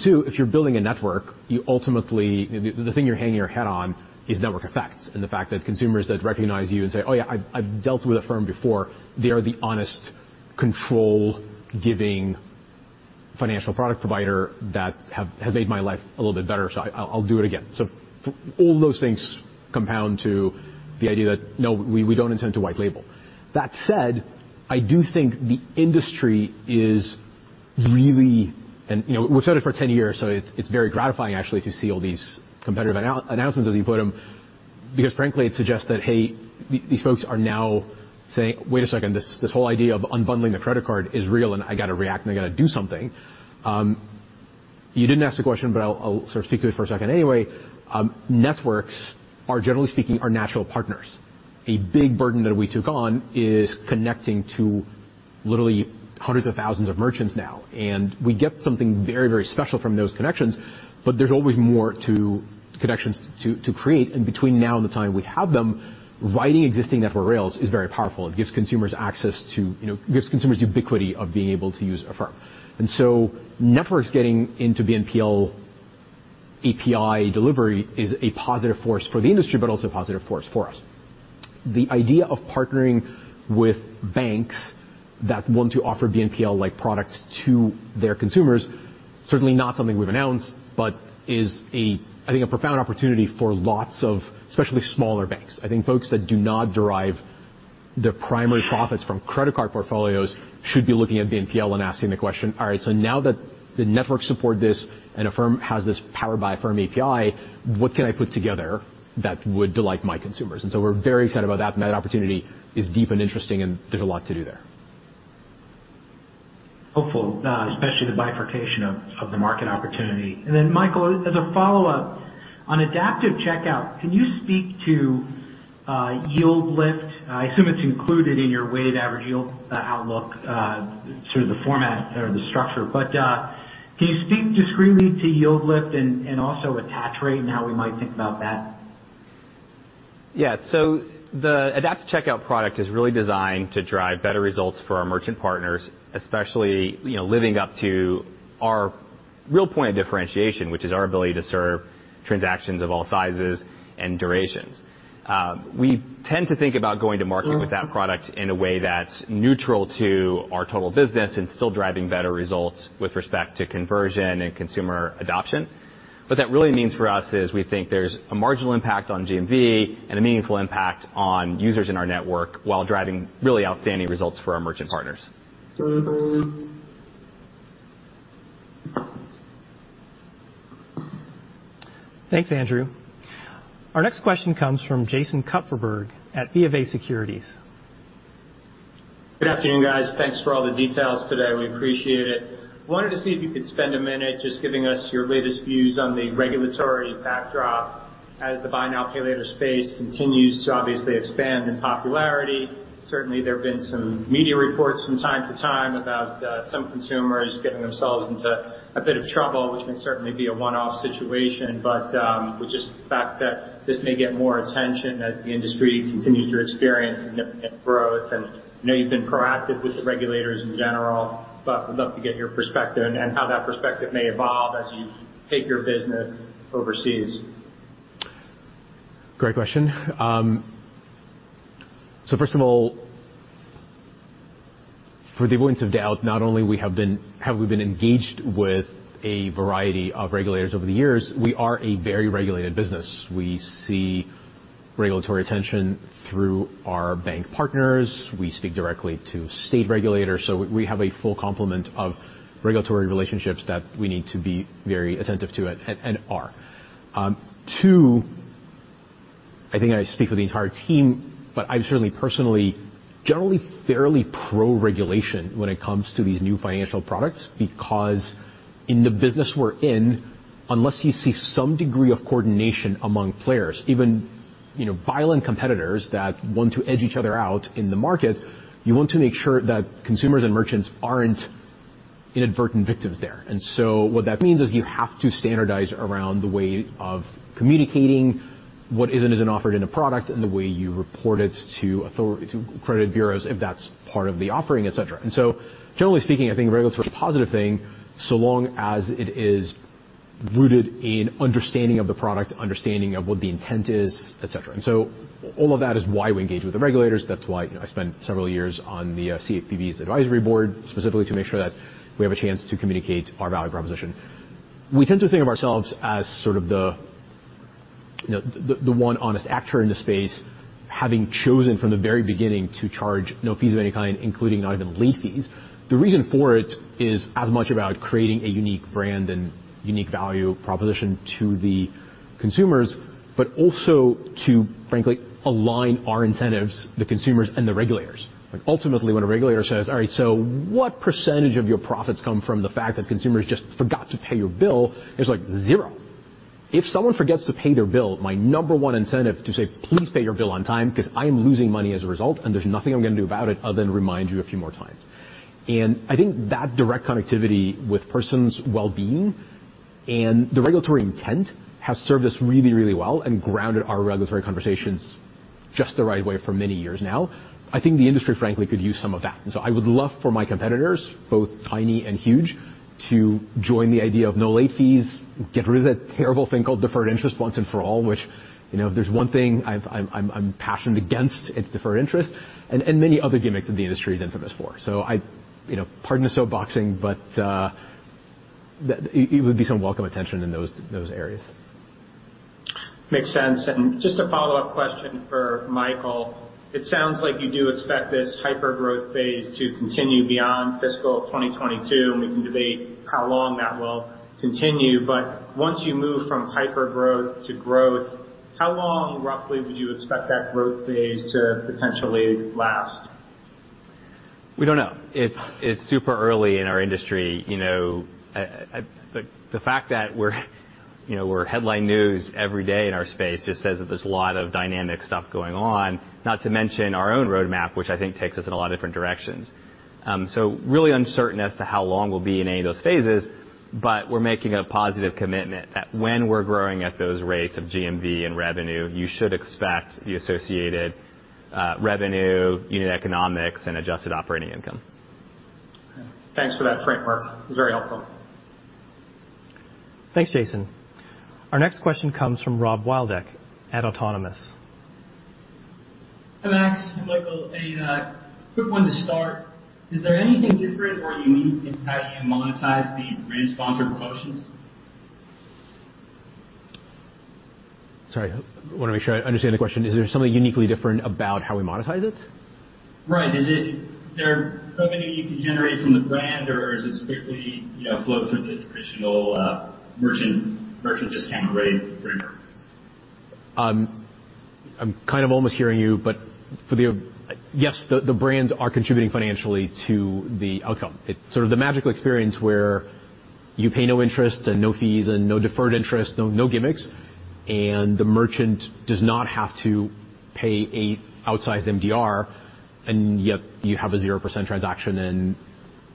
B: Two, if you're building a network, the thing you're hanging your hat on is network effects. The fact that consumers that recognize you and say, "Oh, yeah, I've dealt with Affirm before. They are the honest control giving financial product provider that has made my life a little bit better, so I'll do it again." All those things compound to the idea that no, we don't intend to white label. That said, I do think the industry is really, and we've started for 10 years, so it's very gratifying actually to see all these competitive announcements as you put them because frankly, it suggests that, hey, these folks are now saying, "Wait a second, this whole idea of unbundling the credit card is real, and I got to react, and I got to do something." You didn't ask the question, but I'll sort of speak to it for a second anyway. Networks are generally speaking, our natural partners. A big burden that we took on is connecting to literally hundreds of thousands of merchants now. We get something very special from those connections. There's always more to connections to create. Between now and the time we have them, riding existing network rails is very powerful and gives consumers ubiquity of being able to use Affirm. Networks getting into BNPL API delivery is a positive force for the industry, but also a positive force for us. The idea of partnering with banks that want to offer BNPL-like products to their consumers, certainly not something we've announced, but is I think, a profound opportunity for lots of, especially smaller banks. I think folks that do not derive their primary profits from credit card portfolios should be looking at BNPL and asking the question, all right, so now that the networks support this and Affirm has this Powered by Affirm API, what can I put together that would delight my consumers? We're very excited about that, and that opportunity is deep and interesting, and there's a lot to do there.
M: Hopeful. Especially the bifurcation of the market opportunity. Michael, as a follow-up on Adaptive Checkout, can you speak to yield lift? I assume it's included in your weighted average yield outlook sort of the format or the structure. Can you speak discreetly to yield lift and also attach rate and how we might think about that?
I: Yeah. The Adaptive Checkout product is really designed to drive better results for our merchant partners, especially living up to our real point of differentiation, which is our ability to serve transactions of all sizes and durations. We tend to think about going to market with that product in a way that's neutral to our total business and still driving better results with respect to conversion and consumer adoption. What that really means for us is we think there's a marginal impact on GMV and a meaningful impact on users in our network while driving really outstanding results for our merchant partners.
A: Thanks, Andrew. Our next question comes from Jason Kupferberg at BofA Securities.
N: Good afternoon, guys. Thanks for all the details today. We appreciate it. Wanted to see if you could spend a minute just giving us your latest views on the regulatory backdrop as the buy now, pay later space continues to obviously expand in popularity. Certainly, there have been some media reports from time to time about some consumers getting themselves into a bit of trouble, which may certainly be a one-off situation. With just the fact that this may get more attention as the industry continues to experience significant growth. I know you've been proactive with the regulators in general, but would love to get your perspective and how that perspective may evolve as you take your business overseas.
B: Great question. First of all, for the avoidance of doubt, not only have we been engaged with a variety of regulators over the years, we are a very regulated business. We see regulatory attention through our bank partners. We speak directly to state regulators. We have a full complement of regulatory relationships that we need to be very attentive to, and are. Two, I think I speak for the entire team, but I'm certainly personally, generally fairly pro-regulation when it comes to these new financial products because in the business we're in, unless you see some degree of coordination among players, even violent competitors that want to edge each other out in the market, you want to make sure that consumers and merchants aren't inadvertent victims there. What that means is you have to standardize around the way of communicating what is and isn't offered in a product and the way you report it to credit bureaus if that's part of the offering, et cetera. Generally speaking, I think regulatory is a positive thing so long as it is rooted in understanding of the product, understanding of what the intent is, et cetera. All of that is why we engage with the regulators. That's why I spent several years on the CFPB's advisory board, specifically to make sure that we have a chance to communicate our value proposition. We tend to think of ourselves as sort of the one honest actor in the space, having chosen from the very beginning to charge no fees of any kind, including not even late fees. The reason for it is as much about creating a unique brand and unique value proposition to the consumers, also to frankly, align our incentives, the consumers and the regulators. Ultimately, when a regulator says, "All right, so what % of your profits come from the fact that consumers just forgot to pay your bill?" It's 0. If someone forgets to pay their bill, my number one incentive to say, "Please pay your bill on time because I am losing money as a result, and there's nothing I'm going to do about it other than remind you a few more times." I think that direct connectivity with persons' well-being and the regulatory intent has served us really well and grounded our regulatory conversations just the right way for many years now. I think the industry, frankly, could use some of that. I would love for my competitors, both tiny and huge, to join the idea of no late fees, get rid of that terrible thing called deferred interest once and for all, which, if there's one thing I'm passionate against, it's deferred interest, and many other gimmicks that the industry is infamous for. Pardon the soapboxing, but it would be some welcome attention in those areas.
N: Makes sense. Just a follow-up question for Michael. It sounds like you do expect this hyper-growth phase to continue beyond fiscal 2022. We can debate how long that will continue. Once you move from hyper-growth to growth, how long roughly would you expect that growth phase to potentially last?
I: We don't know. It's super early in our industry. The fact that we're headline news every day in our space just says that there's a lot of dynamic stuff going on, not to mention our own roadmap, which I think takes us in a lot of different directions. Really uncertain as to how long we'll be in any of those phases, but we're making a positive commitment that when we're growing at those rates of GMV and revenue, you should expect the associated revenue, unit economics, and adjusted operating income.
N: Thanks for that framework. It was very helpful.
A: Thanks, Jason. Our next question comes from Rob Wildhack at Autonomous.
O: Hi, Max, Michael. A quick one to start. Is there anything different or unique in how you monetize the Brand Sponsored Promotions?
B: Sorry. I want to make sure I understand the question. Is there something uniquely different about how we monetize it?
O: Right. Is there revenue you can generate from the brand or does this quickly flow through the traditional merchant discount rate framework?
B: I'm kind of almost hearing you, yes, the brands are contributing financially to the outcome. It's sort of the magical experience where you pay no interest and no fees and no deferred interest, no gimmicks, and the merchant does not have to pay an outsized MDR, and yet you have a 0% transaction and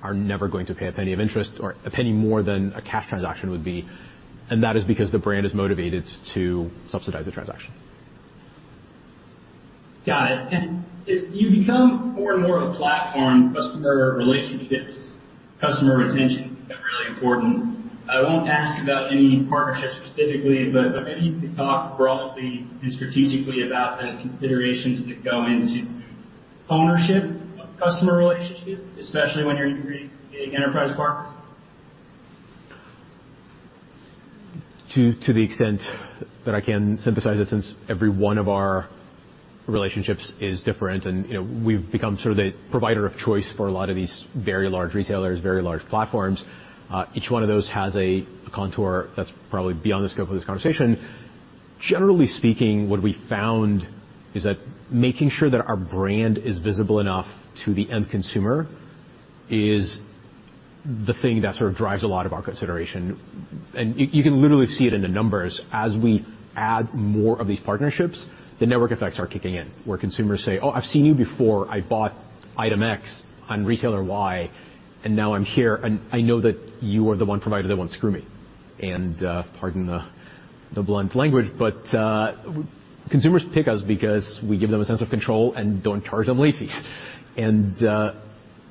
B: are never going to pay $0.01 of interest or $0.01 more than a cash transaction would be. That is because the brand is motivated to subsidize the transaction.
O: Got it. As you become more and more of a platform, customer relationships, customer retention become really important. I won't ask about any partnerships specifically, but maybe you could talk broadly and strategically about the considerations that go into ownership of customer relationships, especially when you're integrating big enterprise partners.
B: To the extent that I can synthesize it, since every one of our relationships is different and we've become sort of the provider of choice for a lot of these very large retailers, very large platforms. Each one of those has a contour that's probably beyond the scope of this conversation. Generally speaking, what we found is that making sure that our brand is visible enough to the end consumer is the thing that sort of drives a lot of our consideration. You can literally see it in the numbers. As we add more of these partnerships, the network effects are kicking in, where consumers say, "Oh, I've seen you before. I bought item X on retailer Y, and now I'm here, and I know that you are the one provider that won't screw me." Pardon the blunt language, but consumers pick us because we give them a sense of control and don't charge them late fees.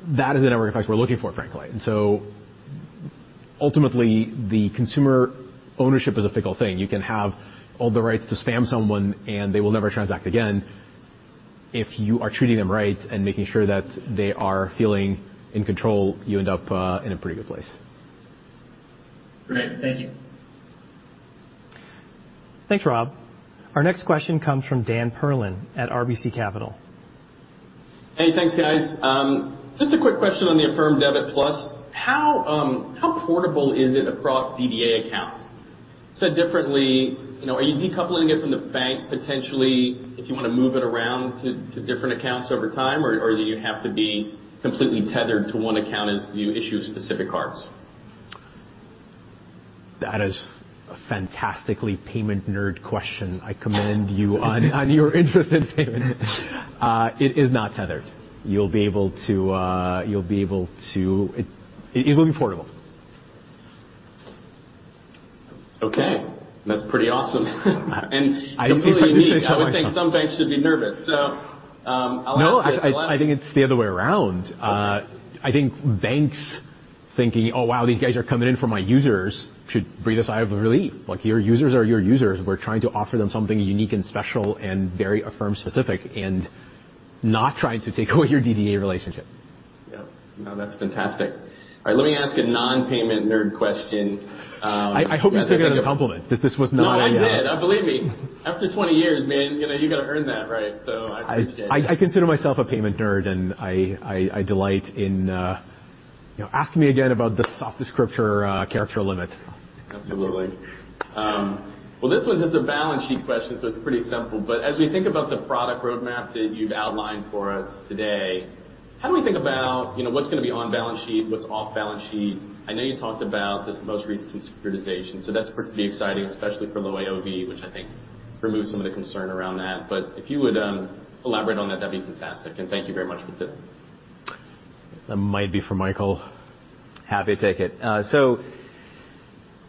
B: That is the network effect we're looking for, frankly. Ultimately, the consumer ownership is a fickle thing. You can have all the rights to spam someone, and they will never transact again. If you are treating them right and making sure that they are feeling in control, you end up in a pretty good place.
O: Great. Thank you.
A: Thanks, Rob. Our next question comes from Dan Perlin at RBC Capital.
P: Hey, thanks, guys. Just a quick question on the Affirm Debit+. How portable is it across DDA accounts? Said differently, are you decoupling it from the bank potentially if you want to move it around to different accounts over time, or do you have to be completely tethered to one account as you issue specific cards?
B: That is a fantastically payment nerd question. I commend you on your interest in payment. It is not tethered. It will be portable.
P: Okay. That's pretty awesome.
B: I didn't mean for you to say that.
P: Completely unique. I would think some banks should be nervous. I'll ask the-
B: No, actually, I think it's the other way around.
P: Okay.
B: I think banks thinking, "Oh, wow, these guys are coming in for my users," should breathe a sigh of relief. Your users are your users. We're trying to offer them something unique and special and very Affirm-specific and not trying to take away your DDA relationship.
P: Yep. No, that's fantastic. All right, let me ask a non-payment nerd question.
B: I hope you took that as a compliment, that this was not.
P: No, I did. Believe me. After 20 years, man, you've got to earn that right. I appreciate it.
B: I consider myself a payment nerd, and I delight in Ask me again about the soft descriptor character limit.
P: Absolutely. Well, this one's just a balance sheet question, so it's pretty simple. As we think about the product roadmap that you've outlined for us today, how do we think about what's going to be on balance sheet, what's off balance sheet? I know you talked about this most recent securitization, so that's pretty exciting, especially for low AOV, which I think removes some of the concern around that. If you would elaborate on that'd be fantastic. Thank you very much for today.
B: That might be for Michael.
I: Happy to take it.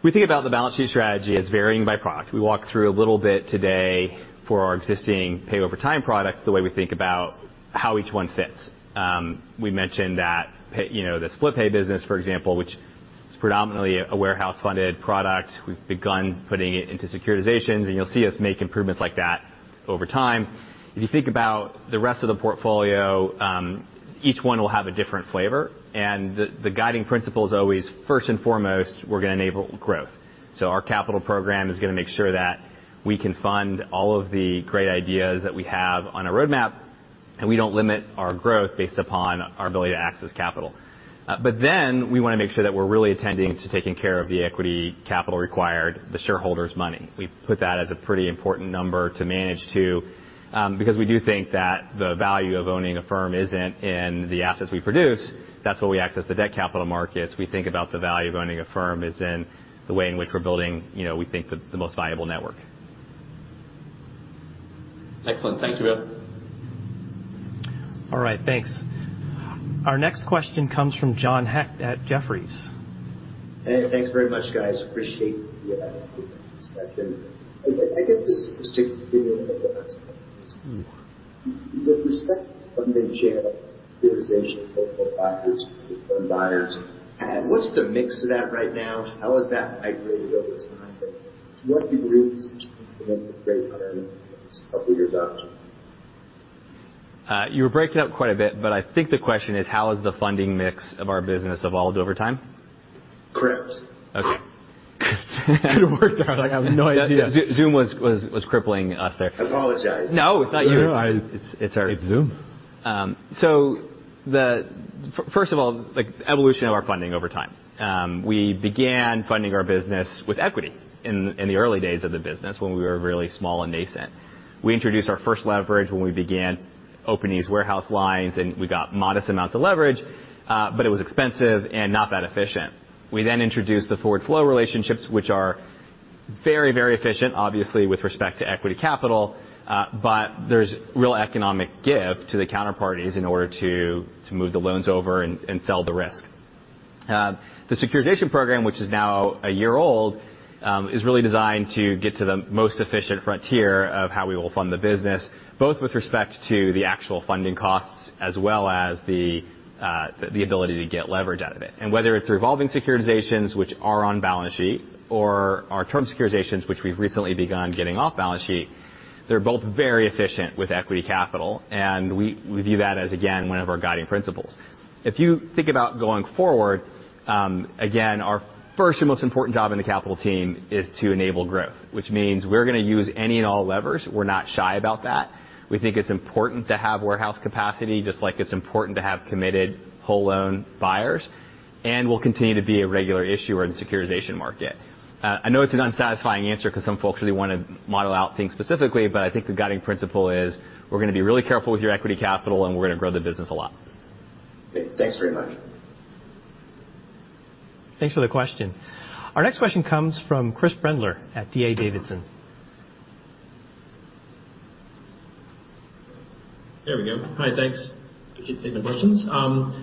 I: We think about the balance sheet strategy as varying by product. We walked through a little bit today for our existing pay over time products, the way we think about how each 1 fits. We mentioned that the Split Pay business, for example, which is predominantly a warehouse-funded product. We've begun putting it into securitizations, and you'll see us make improvements like that over time. If you think about the rest of the portfolio, each one will have a different flavor, and the guiding principle is always, first and foremost, we're going to enable growth. Our capital program is going to make sure that we can fund all of the great ideas that we have on our roadmap, and we don't limit our growth based upon our ability to access capital. We want to make sure that we're really attending to taking care of the equity capital required, the shareholders' money. We put that as a pretty important number to manage too, because we do think that the value of owning Affirm isn't in the assets we produce. That's why we access the debt capital markets. We think about the value of owning Affirm is in the way in which we're building we think the most valuable network.
P: Excellent. Thank you, both.
A: All right. Thanks. Our next question comes from John Hecht at Jefferies.
Q: Hey, thanks very much, guys.
I: You were breaking up quite a bit, but I think the question is, how has the funding mix of our business evolved over time?
Q: Correct.
I: Okay.
B: Could have worked out. I have no idea.
I: Zoom was crippling us there.
Q: I apologize.
I: No, it's not you.
B: No. It's Zoom.
I: First of all, the evolution of our funding over time. We began funding our business with equity in the early days of the business when we were really small and nascent. We introduced our first leverage when we began opening these warehouse lines, and we got modest amounts of leverage, but it was expensive and not that efficient. We then introduced the forward flow relationships, which are very efficient, obviously, with respect to equity capital. There's real economic give to the counterparties in order to move the loans over and sell the risk. The securitization program, which is now a year old, is really designed to get to the most efficient frontier of how we will fund the business, both with respect to the actual funding costs as well as the ability to get leverage out of it. Whether it's revolving securitizations, which are on balance sheet, or our term securitizations, which we've recently begun getting off balance sheet, they're both very efficient with equity capital, and we view that as, again, one of our guiding principles. If you think about going forward, again, our first and most important job in the capital team is to enable growth, which means we're going to use any and all levers. We're not shy about that. We think it's important to have warehouse capacity, just like it's important to have committed whole loan buyers, and we'll continue to be a regular issuer in the securitization market. I know it's an unsatisfying answer because some folks really want to model out things specifically, but I think the guiding principle is we're going to be really careful with your equity capital, and we're going to grow the business a lot. Okay.
Q: Thanks very much.
A: Thanks for the question. Our next question comes from Chris Brendler at D.A. Davidson.
R: There we go. Hi, thanks. Appreciate you taking the questions. I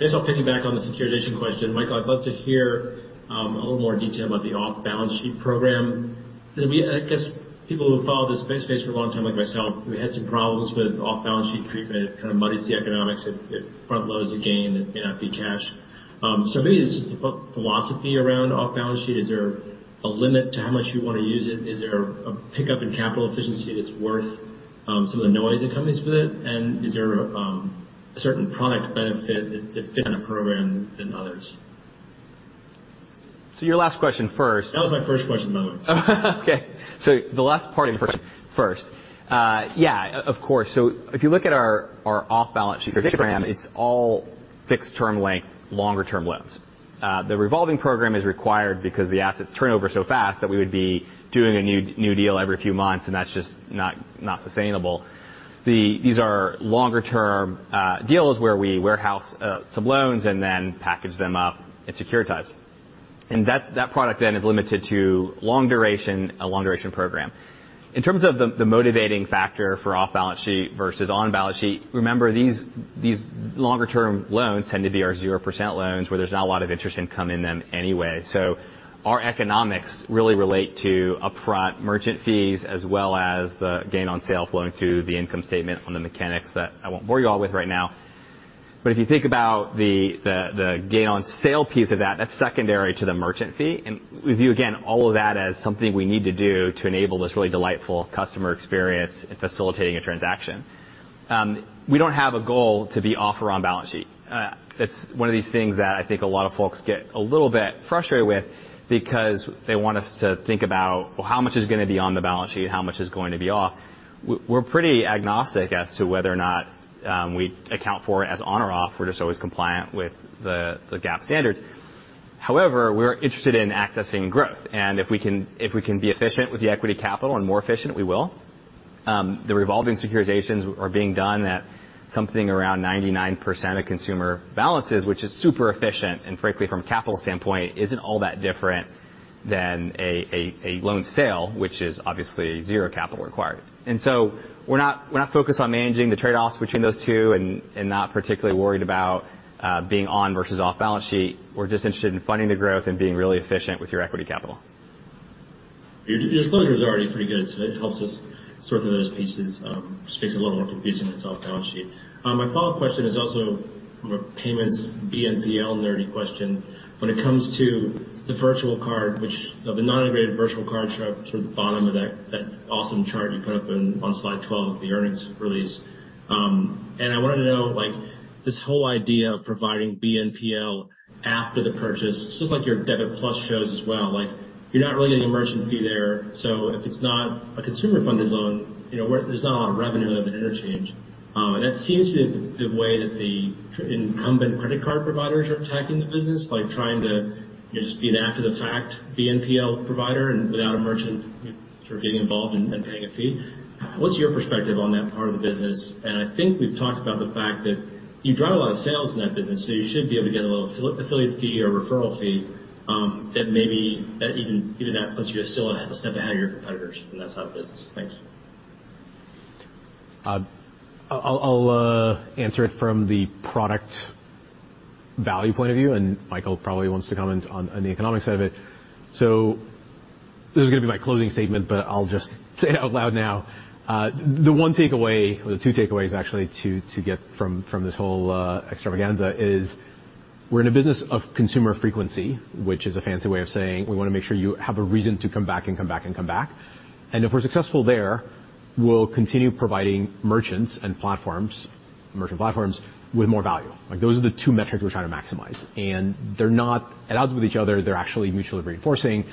R: guess I'll piggyback on the securitization question. Michael, I'd love to hear a little more detail about the off-balance sheet program. I guess people who have followed this space for a long time like myself, we had some problems with off-balance sheet treatment. It kind of muddies the economics. It front-loads the gain. It may not be cash. Maybe it's just the philosophy around off-balance sheet. Is there a limit to how much you want to use it? Is there a pickup in capital efficiency that's worth some of the noise that comes with it? Is there a certain product benefit that fit in a program than others?
I: Your last question first.
R: That was my first question by the way.
I: The last part first. Of course. If you look at our off-balance sheet program, it's all fixed term length, longer term loans. The revolving program is required because the assets turnover so fast that we would be doing a new deal every few months, and that's just not sustainable. These are longer term deals where we warehouse some loans and then package them up and securitize them. That product then is limited to a long duration program. In terms of the motivating factor for off-balance sheet versus on-balance sheet, remember, these longer term loans tend to be our 0% loans, where there's not a lot of interest income in them anyway. Our economics really relate to upfront merchant fees as well as the gain on sale flowing to the income statement on the mechanics that I won't bore you all with right now. If you think about the gain on sale piece of that's secondary to the merchant fee, and we view, again, all of that as something we need to do to enable this really delightful customer experience in facilitating a transaction. We don't have a goal to be off or on balance sheet. It's one of these things that I think a lot of folks get a little bit frustrated with because they want us to think about how much is going to be on the balance sheet, how much is going to be off. We're pretty agnostic as to whether or not we account for it as on or off. We're just always compliant with the GAAP standards. However, we're interested in accessing growth, and if we can be efficient with the equity capital and more efficient, we will. The revolving securitizations are being done at something around 99% of consumer balances, which is super efficient, and frankly, from a capital standpoint, isn't all that different than a loan sale, which is obviously zero capital required. We're not focused on managing the trade-offs between those two and not particularly worried about being on versus off balance sheet. We're just interested in funding the growth and being really efficient with your equity capital.
R: Your disclosure is already pretty good. It helps us sort through those pieces. Just makes it a little more confusing than it's off-balance sheet. My follow-up question is also more payments BNPL nerdy question. When it comes to the virtual card, which of the non-integrated virtual cards are sort of bottom of that awesome chart you put up on slide 12 of the earnings release? I wanted to know, this whole idea of providing BNPL after the purchase, just like your Debit+ shows as well, you're not really getting a merchant fee there. If it's not a consumer funded loan, there's not a lot of revenue of an interchange. That seems to be the way that the incumbent credit card providers are attacking the business by trying to just be an after the fact BNPL provider and without a merchant sort of getting involved and paying a fee. What's your perspective on that part of the business? I think we've talked about the fact that you drive a lot of sales in that business, so you should be able to get a little affiliate fee or referral fee, that maybe even that puts you a step ahead of your competitors in that side of the business. Thanks.
B: I'll answer it from the product value point of view, and Michael probably wants to comment on the economics of it. This is going to be my closing statement, I'll just say it out loud now. The one takeaway or the two takeaways actually to get from this whole extravaganza is we're in a business of consumer frequency, which is a fancy way of saying we want to make sure you have a reason to come back and come back and come back. If we're successful there, we'll continue providing merchants and merchant platforms with more value. Those are the two metrics we're trying to maximize, and they're not at odds with each other. They're actually mutually reinforcing.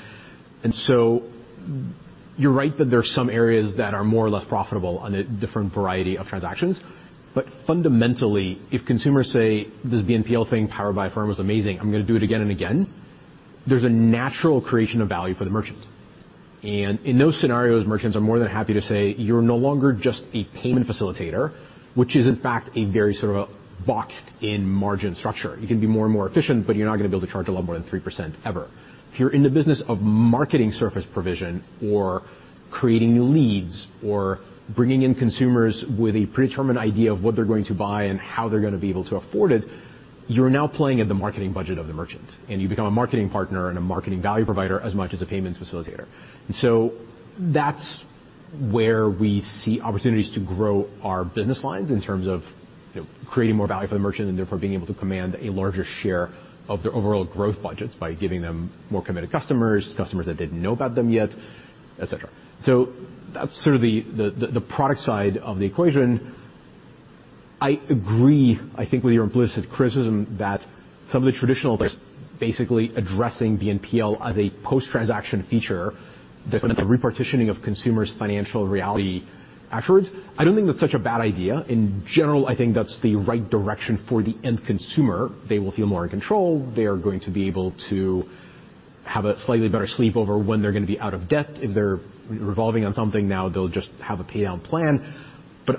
B: You're right that there are some areas that are more or less profitable on a different variety of transactions. Fundamentally, if consumers say this BNPL thing powered by Affirm is amazing, I'm going to do it again and again, there's a natural creation of value for the merchant. In those scenarios, merchants are more than happy to say, you're no longer just a payment facilitator, which is, in fact, a very sort of boxed-in margin structure. You can be more and more efficient, but you're not going to be able to charge a lot more than 3% ever. If you're in the business of marketing surface provision or creating new leads or bringing in consumers with a predetermined idea of what they're going to buy and how they're going to be able to afford it, you're now playing in the marketing budget of the merchant, and you become a marketing partner and a marketing value provider as much as a payments facilitator. That's where we see opportunities to grow our business lines in terms of creating more value for the merchant and therefore being able to command a larger share of their overall growth budgets by giving them more committed customers that didn't know about them yet, et cetera. That's sort of the product side of the equation. I agree, I think with your implicit criticism that some of the traditional players basically addressing BNPL as a post-transaction feature that's going to repartitioning of consumers' financial reality afterwards. I don't think that's such a bad idea. In general, I think that's the right direction for the end consumer. They will feel more in control. They are going to be able to have a slightly better sleep over when they're going to be out of debt. If they're revolving on something now, they'll just have a pay down plan.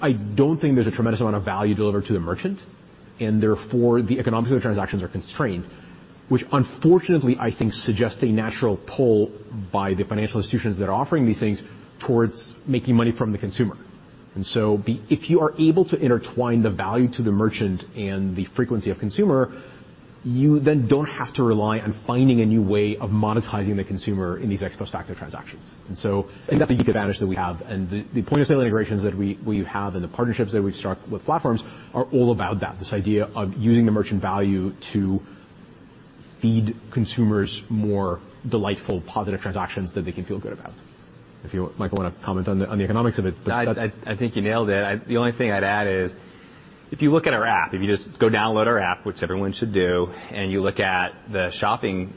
B: I don't think there's a tremendous amount of value delivered to the merchant, and therefore, the economics of the transactions are constrained, which unfortunately, I think suggests a natural pull by the financial institutions that are offering these things towards making money from the consumer. If you are able to intertwine the value to the merchant and the frequency of consumer, you then don't have to rely on finding a new way of monetizing the consumer in these ex post facto transactions. That's a big advantage that we have. The point-of-sale integrations that we have and the partnerships that we've struck with platforms are all about that, this idea of using the merchant value to feed consumers more delightful, positive transactions that they can feel good about. If you, Michael, want to comment on the economics of it.
I: No, I think you nailed it. The only thing I'd add is, if you look at our app, if you just go download our app, which everyone should do, and you look at the shopping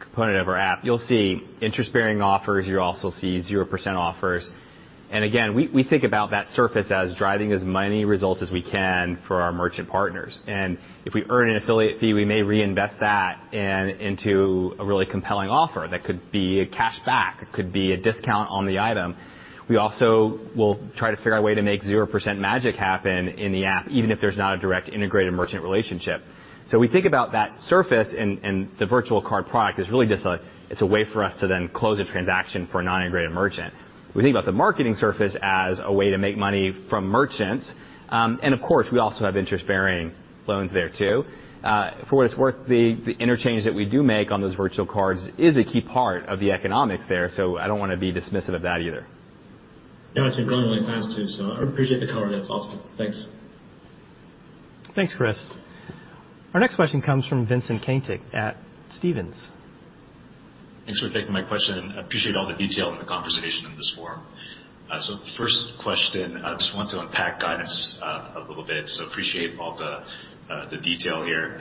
I: component of our app, you will see interest-bearing offers. You will also see 0% offers. Again, we think about that surface as driving as many results as we can for our merchant partners. If we earn an affiliate fee, we may reinvest that into a really compelling offer. That could be a cash back. It could be a discount on the item. We also will try to figure out a way to make 0% magic happen in the app, even if there is not a direct integrated merchant relationship. We think about that surface, and the virtual card product is really just a way for us to then close a transaction for a non-integrated merchant. We think about the marketing surface as a way to make money from merchants. Of course, we also have interest-bearing loans there, too. For what it's worth, the interchange that we do make on those virtual cards is a key part of the economics there. I don't want to be dismissive of that either.
R: It's been growing really fast, too, so I appreciate the color. That's awesome. Thanks.
A: Thanks, Chris. Our next question comes from Vincent Caintic at Stephens.
S: Thanks for taking my question. I appreciate all the detail and the conversation in this forum. First question, I just wanted to unpack guidance a little bit, so appreciate all the detail here.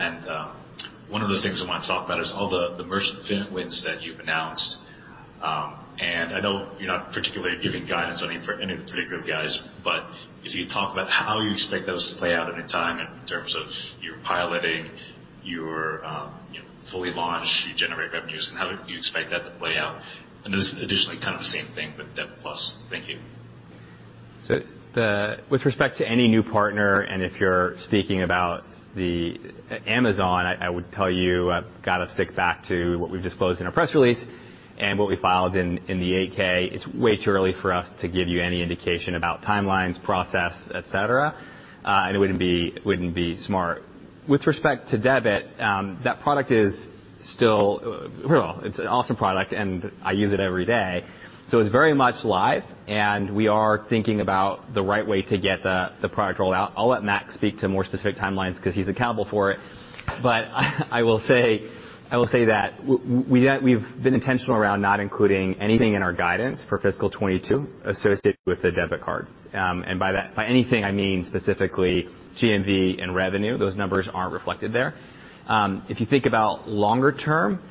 S: One of the things I want to talk about is all the merchant wins that you've announced. I know you're not particularly giving guidance on any particular guys, but could you talk about how you expect those to play out at any time in terms of your piloting, your fully launched, you generate revenues, and how you expect that to play out? Then additionally, kind of the same thing, but Debit+. Thank you.
I: With respect to any new partner, and if you're speaking about the Amazon, I would tell you, got to stick back to what we've disclosed in our press release and what we filed in the 8-K. It's way too early for us to give you any indication about timelines, process, et cetera. It wouldn't be smart. With respect to Debit, Well, it's an awesome product, and I use it every day. It's very much live, and we are thinking about the right way to get the product rolled out. I'll let Max speak to more specific timelines because he's accountable for it. I will say that we've been intentional around not including anything in our guidance for fiscal 2022 associated with the Debit Card. By anything, I mean specifically GMV and revenue. Those numbers aren't reflected there. If you think about longer term,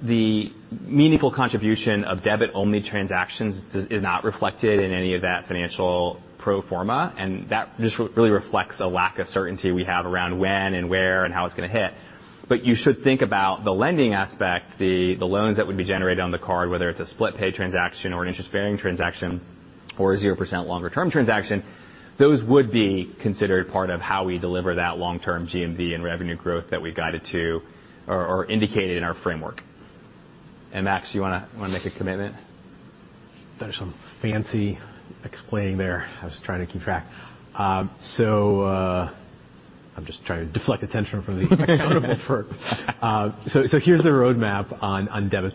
I: the meaningful contribution of debit-only transactions is not reflected in any of that financial pro forma, that just really reflects a lack of certainty we have around when and where and how it's going to hit. You should think about the lending aspect, the loans that would be generated on the card, whether it's a Split Pay transaction or an interest-bearing transaction or a 0% longer-term transaction. Those would be considered part of how we deliver that long-term GMV and revenue growth that we guided to or indicated in our framework. Max, you want to make a commitment?
B: That is some fancy explaining there. I was trying to keep track. I'm just trying to deflect attention from the accountable for. Here's the roadmap on Debit+.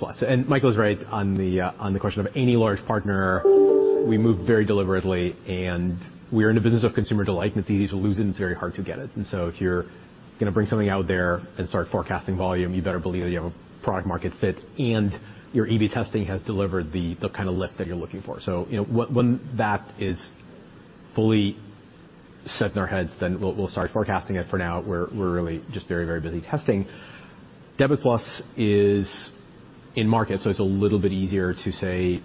B: Michael's right on the question of any large partner, we move very deliberately, and we are in the business of consumer delight. If you lose it's very hard to get it. If you're going to bring something out there and start forecasting volume, you better believe that you have a product market fit and your A/B testing has delivered the kind of lift that you're looking for. When that is fully set in our heads, we'll start forecasting it. For now, we're really just very busy testing. Debit+ is in market, so it's a little bit easier to say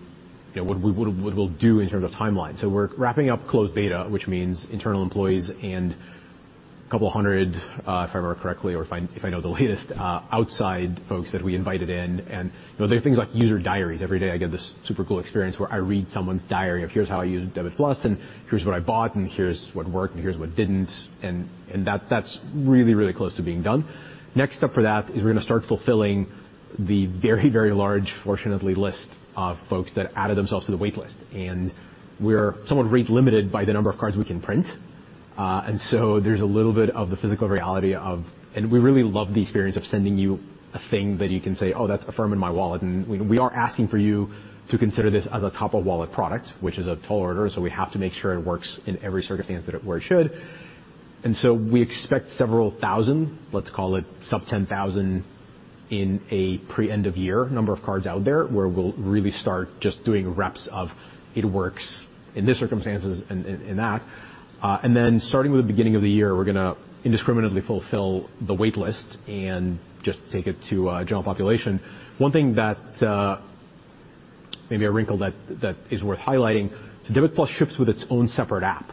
B: what we'll do in terms of timeline. We're wrapping up closed beta, which means internal employees and 200, if I remember correctly or if I know the latest, outside folks that we invited in. There are things like user diaries. Every day, I get this super cool experience where I read someone's diary of here's how I used Debit+, and here's what I bought, and here's what worked, and here's what didn't. That's really close to being done. Next up for that is we're going to start fulfilling the very large, fortunately, list of folks that added themselves to the wait list. We're somewhat rate limited by the number of cards we can print. We really love the experience of sending you a thing that you can say, "Oh, that's Affirm in my wallet." We are asking for you to consider this as a top-of-wallet product, which is a tall order, so we have to make sure it works in every circumstance that it should. We expect several thousand, let's call it sub-10,000 in a pre-end of year number of cards out there where we'll really start just doing reps of it works in these circumstances and in that. Starting with the beginning of the year, we're going to indiscriminately fulfill the wait list and just take it to a general population. 1 thing that may be a wrinkle that is worth highlighting, so Debit+ ships with its own separate app.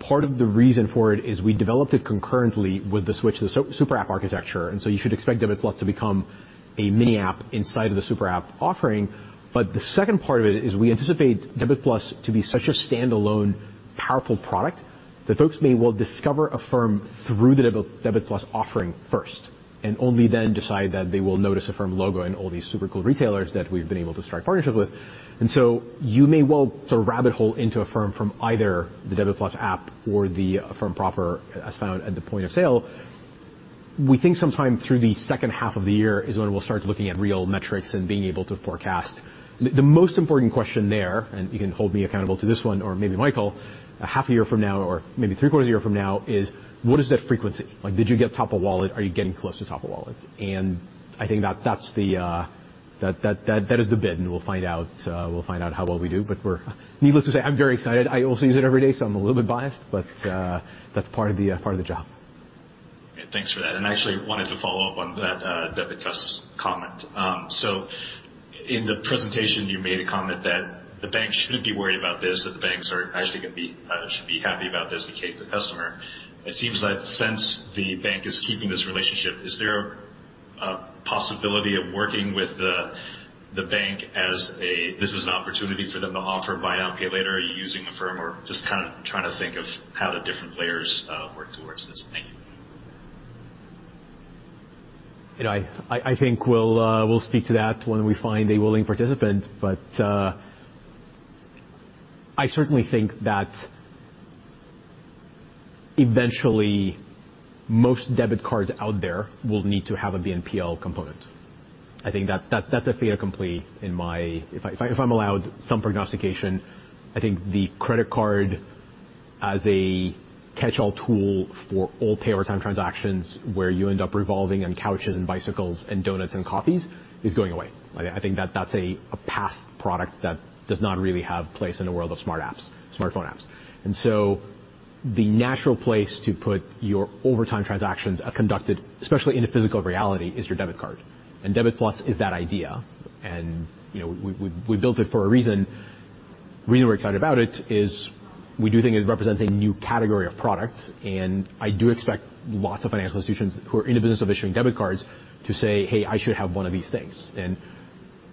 B: Part of the reason for it is we developed it concurrently with the switch to the super app architecture, you should expect Debit+ to become a mini app inside of the super app offering. The second part of it is we anticipate Debit+ to be such a standalone powerful product that folks may well discover Affirm through the Debit+ offering first, and only then decide that they will notice Affirm logo in all these super cool retailers that we've been able to strike partnerships with. You may well sort of rabbit hole into Affirm from either the Debit+ app or the Affirm proper as found at the point of sale. We think sometime through the second half of the year is when we'll start looking at real metrics and being able to forecast. The most important question there, and you can hold me accountable to this one, or maybe Michael, half a year from now or maybe three-quarters a year from now, is what is that frequency? Did you get top of wallet? Are you getting close to top of wallet? I think that is the bid, and we'll find out how well we do. Needless to say, I'm very excited. I also use it every day, so I'm a little bit biased, but that's part of the job.
S: Thanks for that. I actually wanted to follow up on that Debit+ comment. In the presentation, you made a comment that the bank shouldn't be worried about this, that the banks are actually should be happy about this and keep the customer. It seems that since the bank is keeping this relationship, is there a possibility of working with the bank as this is an opportunity for them to offer buy now, pay later using Affirm or just kind of trying to think of how the different layers work towards this thing.
B: I think we'll speak to that when we find a willing participant. I certainly think that eventually, most debit cards out there will need to have a BNPL component. I think that's a fait accompli in my If I'm allowed some prognostication, I think the credit card as a catch-all tool for all pay over time transactions where you end up revolving on couches and bicycles and donuts and coffees is going away. I think that's a past product that does not really have place in a world of smartphone apps. The natural place to put your over time transactions as conducted, especially in a physical reality, is your debit card. Debit+ is that idea, and we built it for a reason. The reason we are excited about it is we do think it represents a new category of products, and I do expect lots of financial institutions who are in the business of issuing debit cards to say, "Hey, I should have one of these things."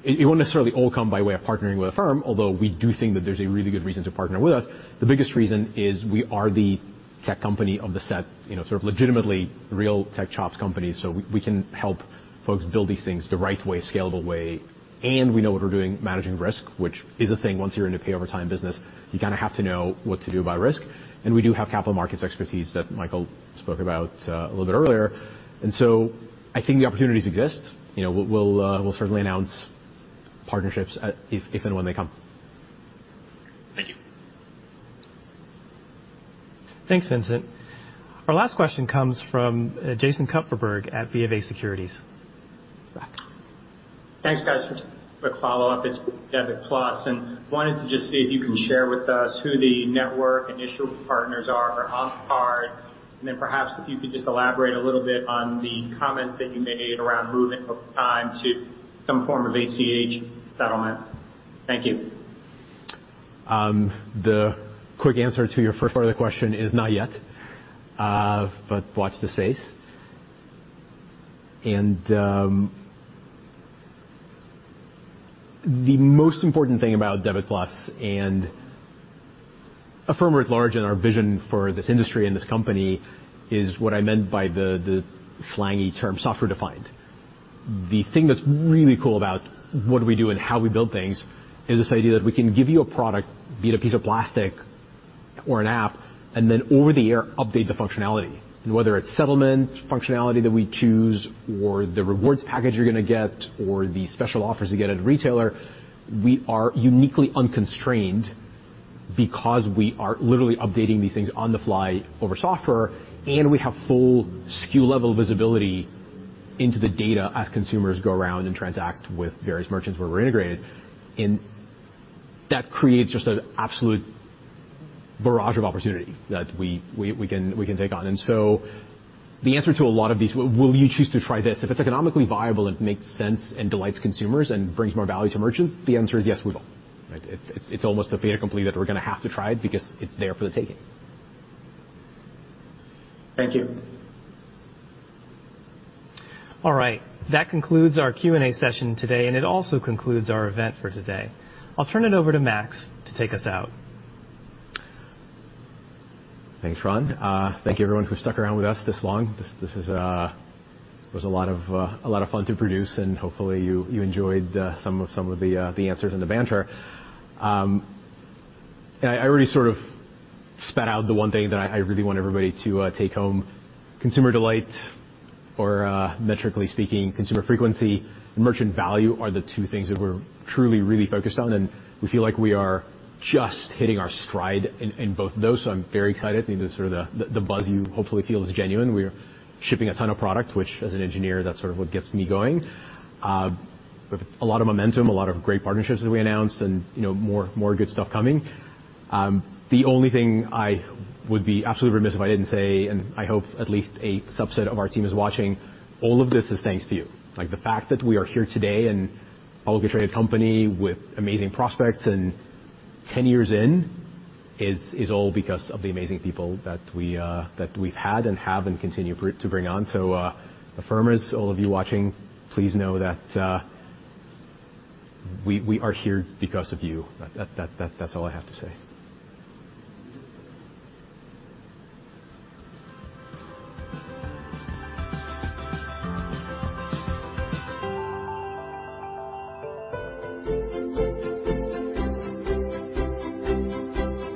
B: It will not necessarily all come by way of partnering with Affirm, although we do think that there is a really good reason to partner with us. The biggest reason is we are the tech company of the set, sort of legitimately real tech chops company. So we can help folks build these things the right way, scalable way, and we know what we are doing managing risk, which is a thing once you are in a pay over time business. You kind of have to know what to do about risk. And we do have capital markets expertise that Michael spoke about a little bit earlier. I think the opportunities exist. We'll certainly announce partnerships if and when they come.
S: Thank you.
A: Thanks, Vincent. Our last question comes from Jason Kupferberg at BofA Securities. Jack.
N: Thanks, guys. Just a quick follow-up. It's Debit+, and wanted to just see if you can share with us who the network and issuer partners are on card, and then perhaps if you could just elaborate a little bit on the comments that you made around moving over time to some form of ACH settlement. Thank you.
B: The quick answer to your first part of the question is not yet, but watch the space. The most important thing about Debit+ and Affirm at large and our vision for this industry and this company is what I meant by the slangy term software-defined. The thing that's really cool about what we do and how we build things is this idea that we can give you a product, be it a piece of plastic or an app, and then over the air update the functionality. Whether it's settlement functionality that we choose or the rewards package you're going to get, or the special offers you get at a retailer, we are uniquely unconstrained because we are literally updating these things on the fly over software, and we have full SKU-level visibility into the data as consumers go around and transact with various merchants where we're integrated. That creates just an absolute barrage of opportunity that we can take on. The answer to a lot of these, will you choose to try this? If it's economically viable and makes sense and delights consumers and brings more value to merchants, the answer is yes, we will, right? It's almost a fait accompli that we're going to have to try it because it's there for the taking.
N: Thank you.
A: All right. That concludes our Q&A session today, and it also concludes our event for today. I'll turn it over to Max to take us out.
B: Thanks, Ron. Thank you, everyone, who stuck around with us this long. This was a lot of fun to produce, and hopefully, you enjoyed some of the answers and the banter. I already sort of spat out the one thing that I really want everybody to take home. Consumer delight or, metrically speaking, consumer frequency and merchant value are the two things that we're truly, really focused on, and we feel like we are just hitting our stride in both of those. I'm very excited. I think that sort of the buzz you hopefully feel is genuine. We are shipping a ton of product, which as an engineer, that's sort of what gets me going. With a lot of momentum, a lot of great partnerships that we announced and more good stuff coming. The only thing I would be absolutely remiss if I didn't say, and I hope at least a subset of our team is watching, all of this is thanks to you. Like, the fact that we are here today and a publicly traded company with amazing prospects and 10 years in is all because of the amazing people that we've had and have and continue to bring on. Affirmers, all of you watching, please know that we are here because of you. That's all I have to say.